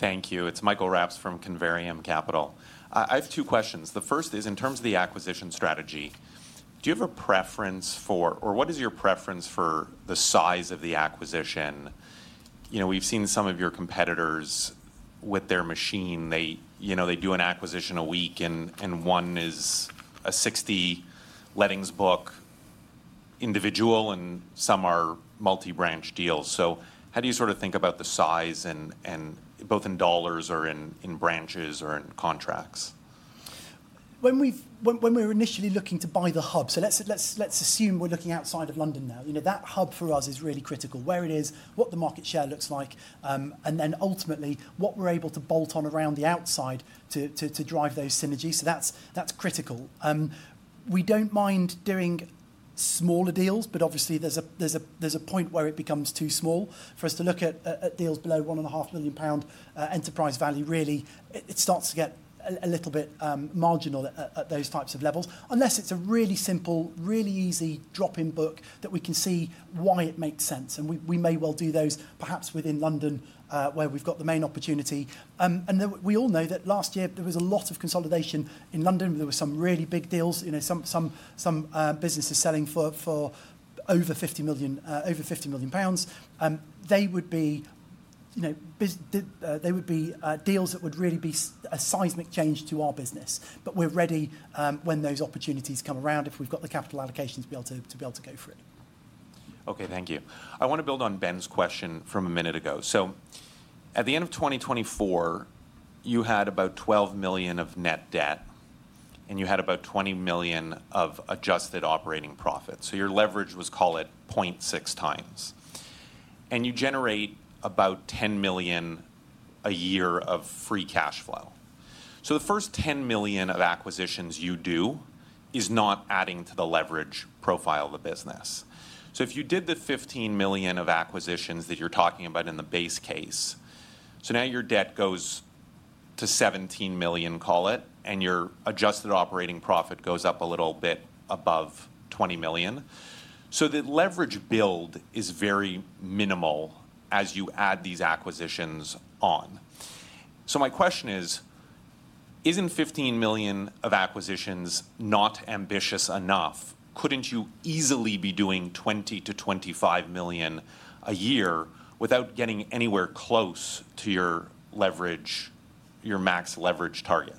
Thank you. It is Michael Rapps from Converium Capital. I have two questions. The first is, in terms of the acquisition strategy, do you have a preference for, or what is your preference for the size of the acquisition? We've seen some of your competitors with their machine. They do an acquisition a week, and one is a 60 lettings book individual, and some are multi-branch deals. How do you sort of think about the size, both in dollars or in branches or in contracts? When we were initially looking to buy the hub, let's assume we're looking outside of London now. That hub for us is really critical. Where it is, what the market share looks like, and then ultimately what we're able to bolt on around the outside to drive those synergies. That's critical. We don't mind doing smaller deals, but obviously there's a point where it becomes too small for us to look at deals below 1.5 million pound enterprise value. Really, it starts to get a little bit marginal at those types of levels, unless it's a really simple, really easy drop-in book that we can see why it makes sense. We may well do those perhaps within London where we've got the main opportunity. We all know that last year there was a lot of consolidation in London. There were some really big deals. Some businesses selling for over 50 million pounds. They would be deals that would really be a seismic change to our business. We are ready when those opportunities come around if we've got the capital allocations to be able to go for it. Okay, thank you. I want to build on Ben's question from a minute ago. At the end of 2024, you had about 12 million of net debt, and you had about 20 million of adjusted operating profits. Your leverage was, call it, 0.6 times. You generate about 10 million a year of free cash flow. The first 10 million of acquisitions you do is not adding to the leverage profile of the business. If you did the 15 million of acquisitions that you are talking about in the base case, now your debt goes to 17 million, call it, and your adjusted operating profit goes up a little bit above 20 million. The leverage build is very minimal as you add these acquisitions on. My question is, is not 15 million of acquisitions not ambitious enough? Could you not easily be doing 20-25 million a year without getting anywhere close to your max leverage target?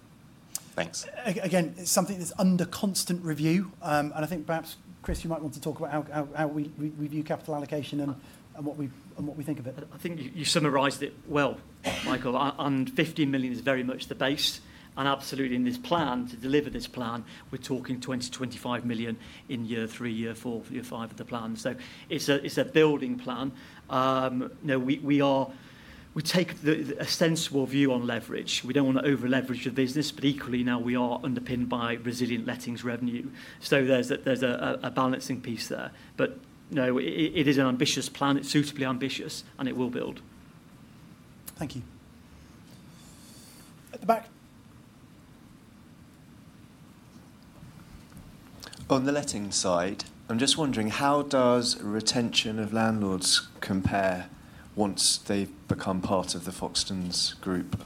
Thanks. Again, something that is under constant review. I think perhaps, Chris, you might want to talk about how we view capital allocation and what we think of it. I think you summarized it well, Michael. 15 million is very much the base. Absolutely in this plan, to deliver this plan, we're talking 20-25 million in year three, year four, year five of the plan. It is a building plan. We take a sensible view on leverage. We do not want to over-leverage the business, but equally, now we are underpinned by resilient lettings revenue. There is a balancing piece there. It is an ambitious plan. It is suitably ambitious, and it will build. Thank you. At the back. On the lettings side, I am just wondering, how does retention of landlords compare once they have become part of the Foxtons Group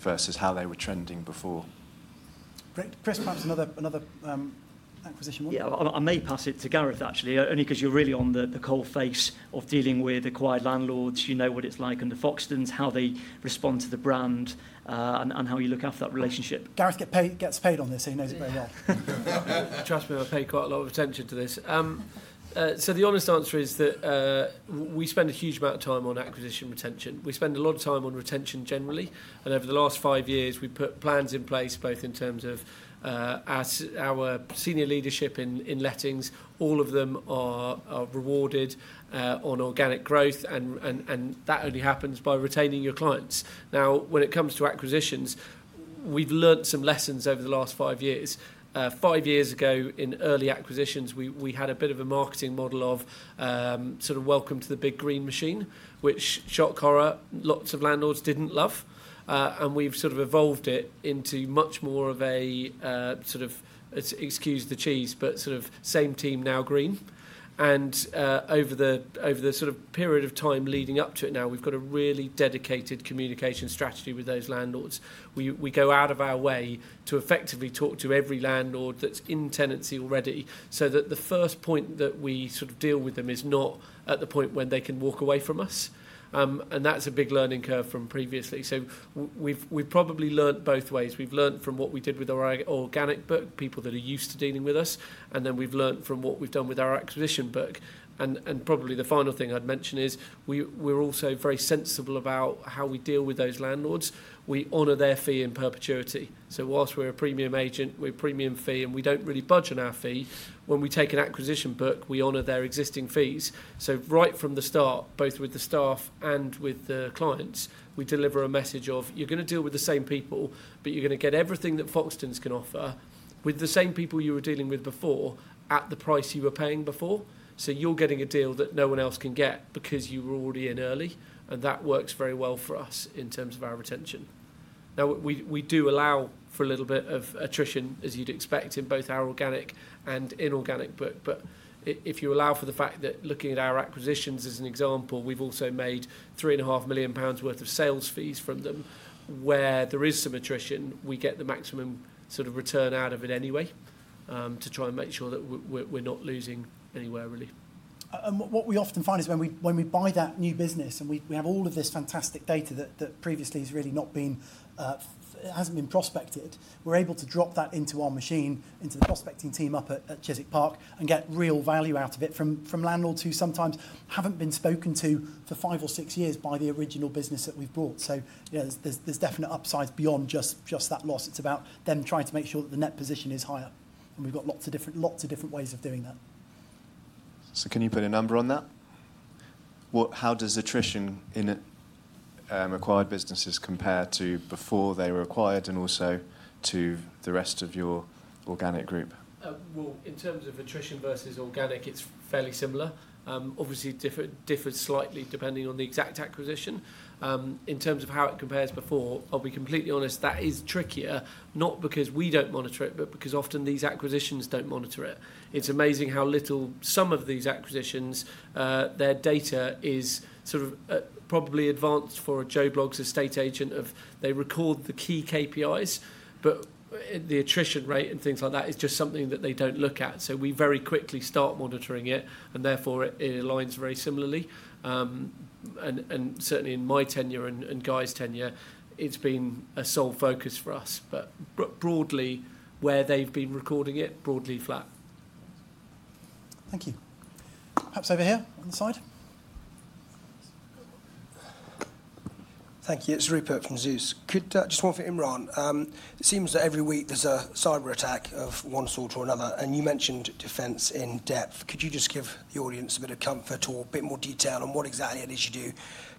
versus how they were trending before? Chris, perhaps another acquisition one. Yeah, I may pass it to Gareth, actually, only because you're really on the core face of dealing with acquired landlords. You know what it's like under Foxtons, how they respond to the brand, and how you look after that relationship. Gareth gets paid on this, so he knows it very well. Trust me, I pay quite a lot of attention to this. The honest answer is that we spend a huge amount of time on acquisition retention. We spend a lot of time on retention generally. Over the last five years, we've put plans in place, both in terms of our senior leadership in lettings. All of them are rewarded on organic growth, and that only happens by retaining your clients. Now, when it comes to acquisitions, we've learned some lessons over the last five years. Five years ago, in early acquisitions, we had a bit of a marketing model of sort of welcome to the big green machine, which, shock horror, lots of landlords didn't love. We've sort of evolved it into much more of a sort of, excuse the cheese, but sort of same team, now green. Over the sort of period of time leading up to it now, we've got a really dedicated communication strategy with those landlords. We go out of our way to effectively talk to every landlord that's in tenancy already so that the first point that we sort of deal with them is not at the point when they can walk away from us. That's a big learning curve from previously. We've probably learned both ways. We've learned from what we did with our organic book, people that are used to dealing with us, and then we've learned from what we've done with our acquisition book. Probably the final thing I'd mention is we're also very sensible about how we deal with those landlords. We honor their fee in perpetuity. Whilst we're a premium agent, we're premium fee, and we don't really budge on our fee. When we take an acquisition book, we honor their existing fees. Right from the start, both with the staff and with the clients, we deliver a message of, you're going to deal with the same people, but you're going to get everything that Foxtons can offer with the same people you were dealing with before at the price you were paying before. You're getting a deal that no one else can get because you were already in early. That works very well for us in terms of our retention. We do allow for a little bit of attrition, as you'd expect, in both our organic and inorganic book. If you allow for the fact that looking at our acquisitions as an example, we've also made 3.5 million pounds worth of sales fees from them. Where there is some attrition, we get the maximum sort of return out of it anyway to try and make sure that we're not losing anywhere, really. What we often find is when we buy that new business and we have all of this fantastic data that previously has really not been, hasn't been prospected, we're able to drop that into our machine, into the prospecting team up at Chiswick Park, and get real value out of it from landlords who sometimes haven't been spoken to for five or six years by the original business that we've brought. There are definite upsides beyond just that loss. It's about them trying to make sure that the net position is higher. We've got lots of different ways of doing that. Can you put a number on that? How does attrition in acquired businesses compare to before they were acquired and also to the rest of your organic group? In terms of attrition versus organic, it's fairly similar. Obviously, it differs slightly depending on the exact acquisition. In terms of how it compares before, I'll be completely honest, that is trickier, not because we don't monitor it, but because often these acquisitions don't monitor it. It's amazing how little some of these acquisitions, their data is sort of probably advanced for a Joe Bloggs estate agent, they record the key KPIs, but the attrition rate and things like that is just something that they don't look at. We very quickly start monitoring it, and therefore it aligns very similarly. Certainly in my tenure and Guy's tenure, it's been a sole focus for us. Broadly, where they've been recording it, broadly flat. Thank you. Perhaps over here on the side. Thank you. It's Rupert from Zeus. Just one for Imran. It seems that every week there's a cyber attack of one sort or another. You mentioned defense in depth. Could you just give the audience a bit of comfort or a bit more detail on what exactly it is you do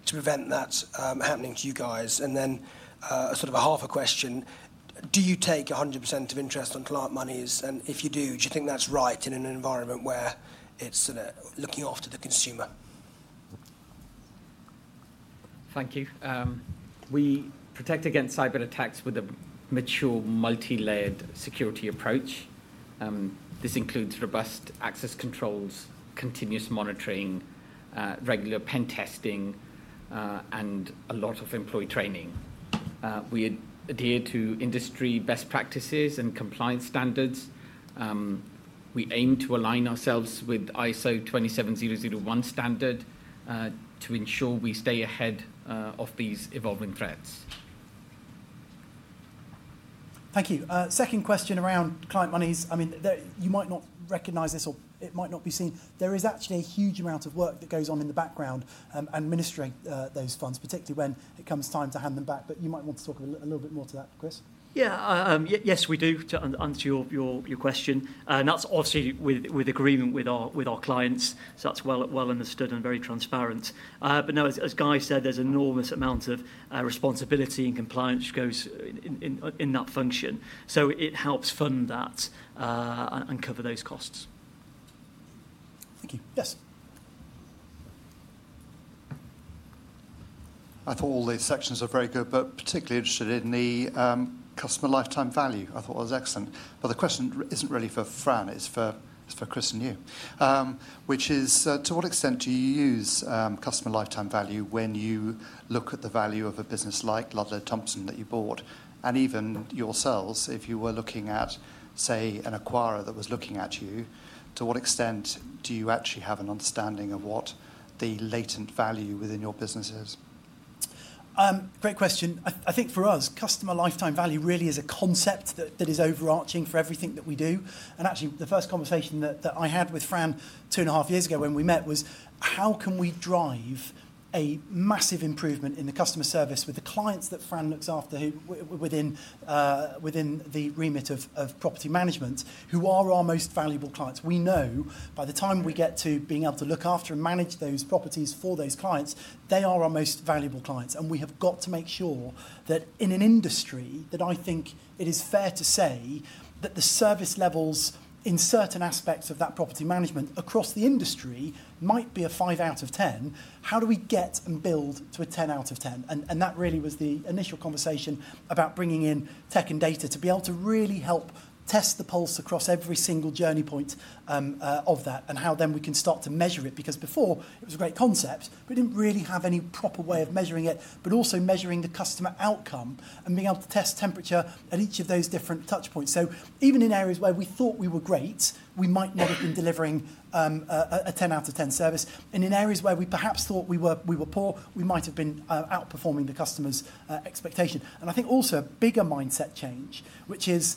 to prevent that happening to you guys? Sort of a half a question. Do you take 100% of interest on client monies? If you do, do you think that's right in an environment where it's looking after the consumer? Thank you. We protect against cyber attacks with a mature multi-layered security approach. This includes robust access controls, continuous monitoring, regular pen testing, and a lot of employee training. We adhere to industry best practices and compliance standards. We aim to align ourselves with ISO 27001 standard to ensure we stay ahead of these evolving threats. Thank you. Second question around client monies. I mean, you might not recognize this or it might not be seen. There is actually a huge amount of work that goes on in the background administering those funds, particularly when it comes time to hand them back. You might want to talk a little bit more to that, Chris. Yeah, yes, we do, to answer your question. That is obviously with agreement with our clients, so that is well understood and very transparent. As Guy said, there is an enormous amount of responsibility and compliance that goes into that function. It helps fund that and cover those costs. Thank you. Yes. I thought all these sections were very good, but I was particularly interested in the customer lifetime value. I thought that was excellent. The question is not really for Fran. It's for Chris and you, which is to what extent do you use customer lifetime value when you look at the value of a business like Ludlow Thompson that you bought and even yourselves? If you were looking at, say, an acquirer that was looking at you, to what extent do you actually have an understanding of what the latent value within your business is? Great question. I think for us, customer lifetime value really is a concept that is overarching for everything that we do. Actually, the first conversation that I had with Fran two and a half years ago when we met was, how can we drive a massive improvement in the customer service with the clients that Fran looks after within the remit of property management who are our most valuable clients? We know by the time we get to being able to look after and manage those properties for those clients, they are our most valuable clients. We have got to make sure that in an industry that I think it is fair to say that the service levels in certain aspects of that property management across the industry might be a five out of ten, how do we get and build to a ten out of ten? That really was the initial conversation about bringing in tech and data to be able to really help test the pulse across every single journey point of that and how then we can start to measure it. Because before, it was a great concept, but we did not really have any proper way of measuring it, but also measuring the customer outcome and being able to test temperature at each of those different touch points. Even in areas where we thought we were great, we might not have been delivering a 10 out of 10 service. In areas where we perhaps thought we were poor, we might have been outperforming the customer's expectation. I think also a bigger mindset change, which is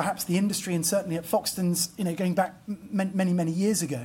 perhaps the industry and certainly at Foxtons, going back many, many years ago,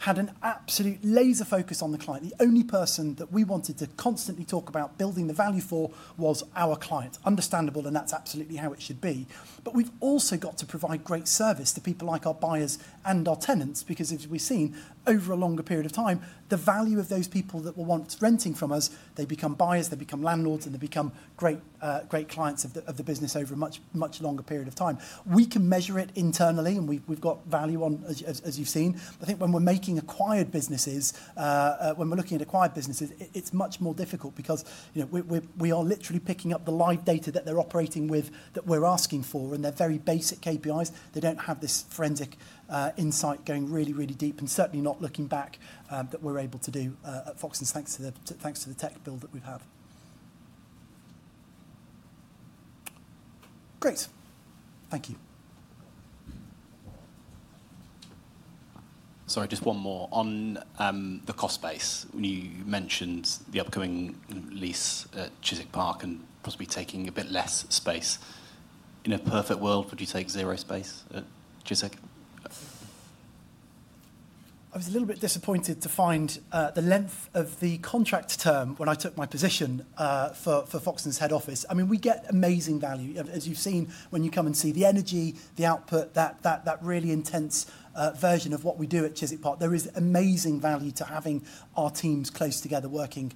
had an absolute laser focus on the client. The only person that we wanted to constantly talk about building the value for was our client. Understandable, and that is absolutely how it should be. We have also got to provide great service to people like our buyers and our tenants because, as we have seen, over a longer period of time, the value of those people that were once renting from us, they become buyers, they become landlords, and they become great clients of the business over a much longer period of time. We can measure it internally, and we have got value on, as you have seen. I think when we are making acquired businesses, when we are looking at acquired businesses, it is much more difficult because we are literally picking up the live data that they are operating with that we are asking for, and they are very basic KPIs. They do not have this forensic insight going really, really deep and certainly not looking back that we are able to do at Foxtons. Thanks to the tech build that we have had. Great. Thank you. Sorry, just one more on the cost base. When you mentioned the upcoming lease at Chiswick Park and possibly taking a bit less space, in a perfect world, would you take zero space at Chiswick? I was a little bit disappointed to find the length of the contract term when I took my position for Foxtons head office. I mean, we get amazing value. As you've seen, when you come and see the energy, the output, that really intense version of what we do at Chiswick Park, there is amazing value to having our teams close together working.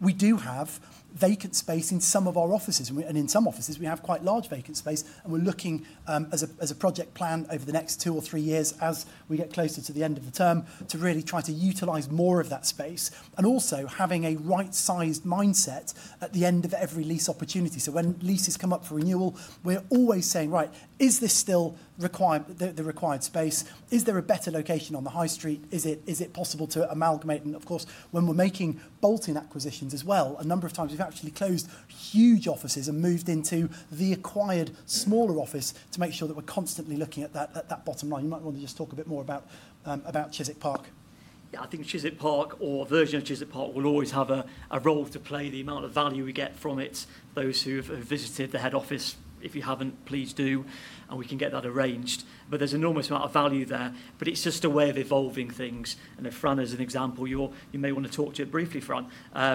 We do have vacant space in some of our offices. In some offices, we have quite large vacant space. We are looking as a project plan over the next two or three years as we get closer to the end of the term to really try to utilize more of that space and also having a right-sized mindset at the end of every lease opportunity. When leases come up for renewal, we are always saying, right, is this still the required space? Is there a better location on the high street? Is it possible to amalgamate? Of course, when we are making bolting acquisitions as well, a number of times we have actually closed huge offices and moved into the acquired smaller office to make sure that we are constantly looking at that bottom line. You might want to just talk a bit more about Chiswick Park. I think Chiswick Park or a version of Chiswick Park will always have a role to play. The amount of value we get from it, those who have visited the head office, if you have not, please do. We can get that arranged. There is an enormous amount of value there. It is just a way of evolving things. If Fran is an example, you may want to talk to it briefly, Fran.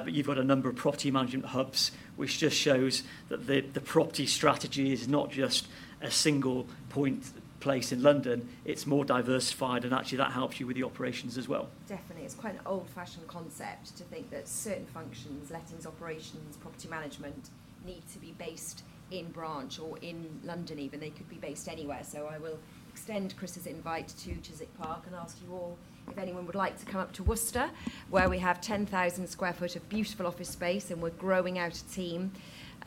You have a number of property management hubs, which just shows that the property strategy is not just a single point place in London. It is more diversified. Actually, that helps you with the operations as well. Definitely. It is quite an old-fashioned concept to think that certain functions, lettings, operations, property management need to be based in Branch or in London even. They could be based anywhere. I will extend Chris's invite to Chiswick Park and ask you all if anyone would like to come up to Worcester, where we have 10,000 sq ft of beautiful office space, and we're growing out a team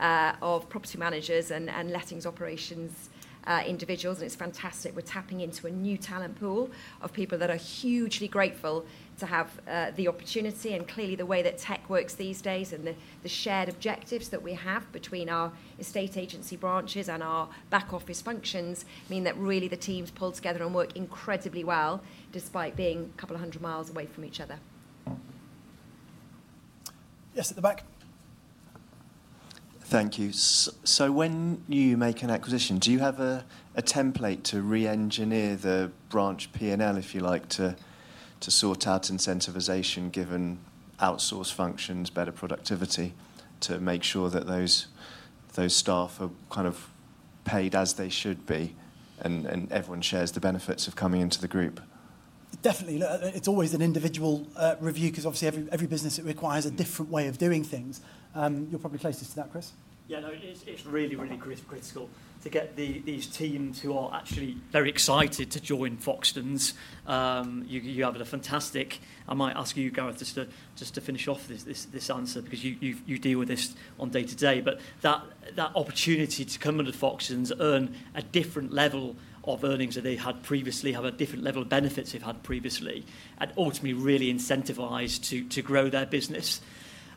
of property managers and lettings, operations, individuals. It's fantastic. We're tapping into a new talent pool of people that are hugely grateful to have the opportunity. Clearly, the way that tech works these days and the shared objectives that we have between our estate agency branches and our back office functions mean that really the teams pull together and work incredibly well despite being a couple of hundred miles away from each other. Yes, at the back. Thank you. When you make an acquisition, do you have a template to re-engineer the Branch P&L if you like to sort out incentivization given outsource functions, better productivity to make sure that those staff are kind of paid as they should be and everyone shares the benefits of coming into the group? Definitely. It is always an individual review because obviously every business requires a different way of doing things. You are probably closest to that, Chris. Yeah, no, it is really, really critical to get these teams who are actually very excited to join Foxtons. You have a fantastic—I might ask you, Gareth, just to finish off this answer because you deal with this on day to day. That opportunity to come under Foxtons, earn a different level of earnings than they had previously, have a different level of benefits they have had previously, and ultimately really incentivize to grow their business.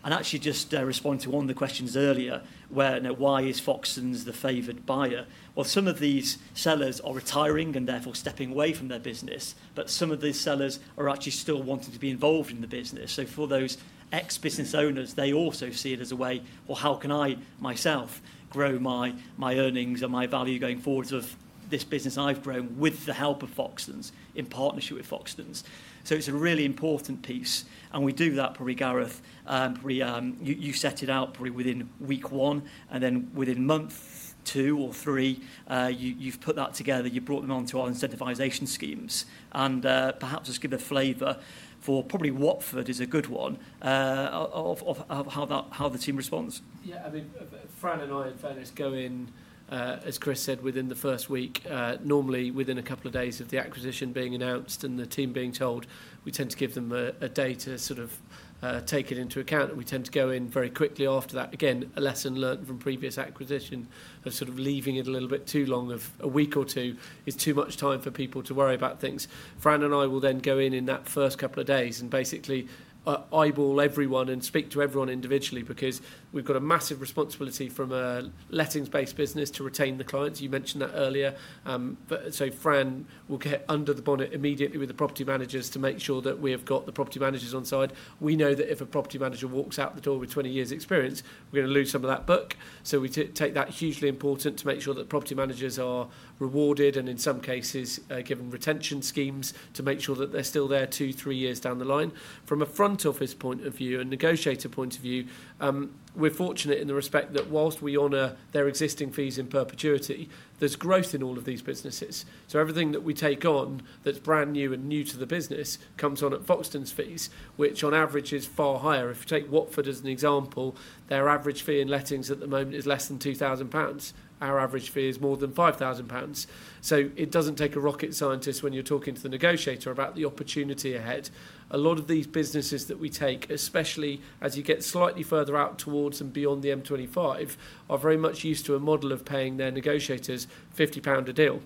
Actually, just to respond to one of the questions earlier, why is Foxtons the favored buyer? Some of these sellers are retiring and therefore stepping away from their business, but some of these sellers are actually still wanting to be involved in the business. For those ex-business owners, they also see it as a way, how can I myself grow my earnings and my value going forwards of this business I have grown with the help of Foxtons in partnership with Foxtons? It is a really important piece. We do that probably, Gareth, you set it out probably within week one and then within month two or three, you have put that together. You have brought them onto our incentivization schemes. Perhaps just give a flavor for probably Watford is a good one of how the team responds. Yeah, I mean, Fran and I in fairness go in, as Chris said, within the first week. Normally, within a couple of days of the acquisition being announced and the team being told, we tend to give them a day to sort of take it into account. We tend to go in very quickly after that. Again, a lesson learned from previous acquisition of sort of leaving it a little bit too long of a week or two is too much time for people to worry about things. Fran and I will then go in in that first couple of days and basically eyeball everyone and speak to everyone individually because we've got a massive responsibility from a lettings-based business to retain the clients. You mentioned that earlier. Fran will get under the bonnet immediately with the property managers to make sure that we have got the property managers on side. We know that if a property manager walks out the door with 20 years' experience, we're going to lose some of that book. We take that as hugely important to make sure that property managers are rewarded and in some cases given retention schemes to make sure that they're still there two, three years down the line. From a front office point of view and negotiator point of view, we're fortunate in the respect that whilst we honor their existing fees in perpetuity, there's growth in all of these businesses. Everything that we take on that's brand new and new to the business comes on at Foxtons' fees, which on average is far higher. If you take Watford as an example, their average fee in lettings at the moment is less than 2,000 pounds. Our average fee is more than 5,000 pounds. It does not take a rocket scientist when you are talking to the negotiator about the opportunity ahead. A lot of these businesses that we take, especially as you get slightly further out towards and beyond the M25, are very much used to a model of paying their negotiators 50 pound a deal.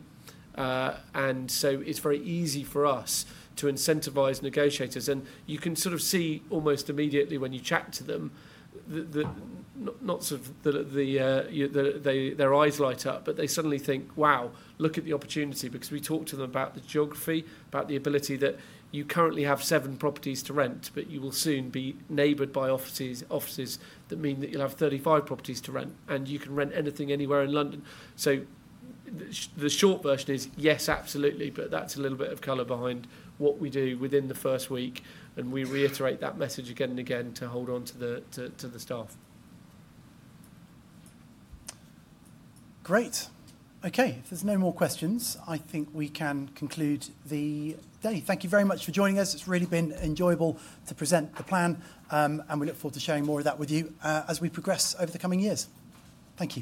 It is very easy for us to incentivize negotiators. You can sort of see almost immediately when you chat to them that not sort of their eyes light up, but they suddenly think, "Wow, look at the opportunity," because we talk to them about the geography, about the ability that you currently have seven properties to rent, but you will soon be neighbored by offices that mean that you'll have 35 properties to rent, and you can rent anything anywhere in London. The short version is, yes, absolutely, but that's a little bit of color behind what we do within the first week. We reiterate that message again and again to hold on to the staff. Great. Okay. If there's no more questions, I think we can conclude the day. Thank you very much for joining us. It's really been enjoyable to present the plan, and we look forward to sharing more of that with you as we progress over the coming years. Thank you.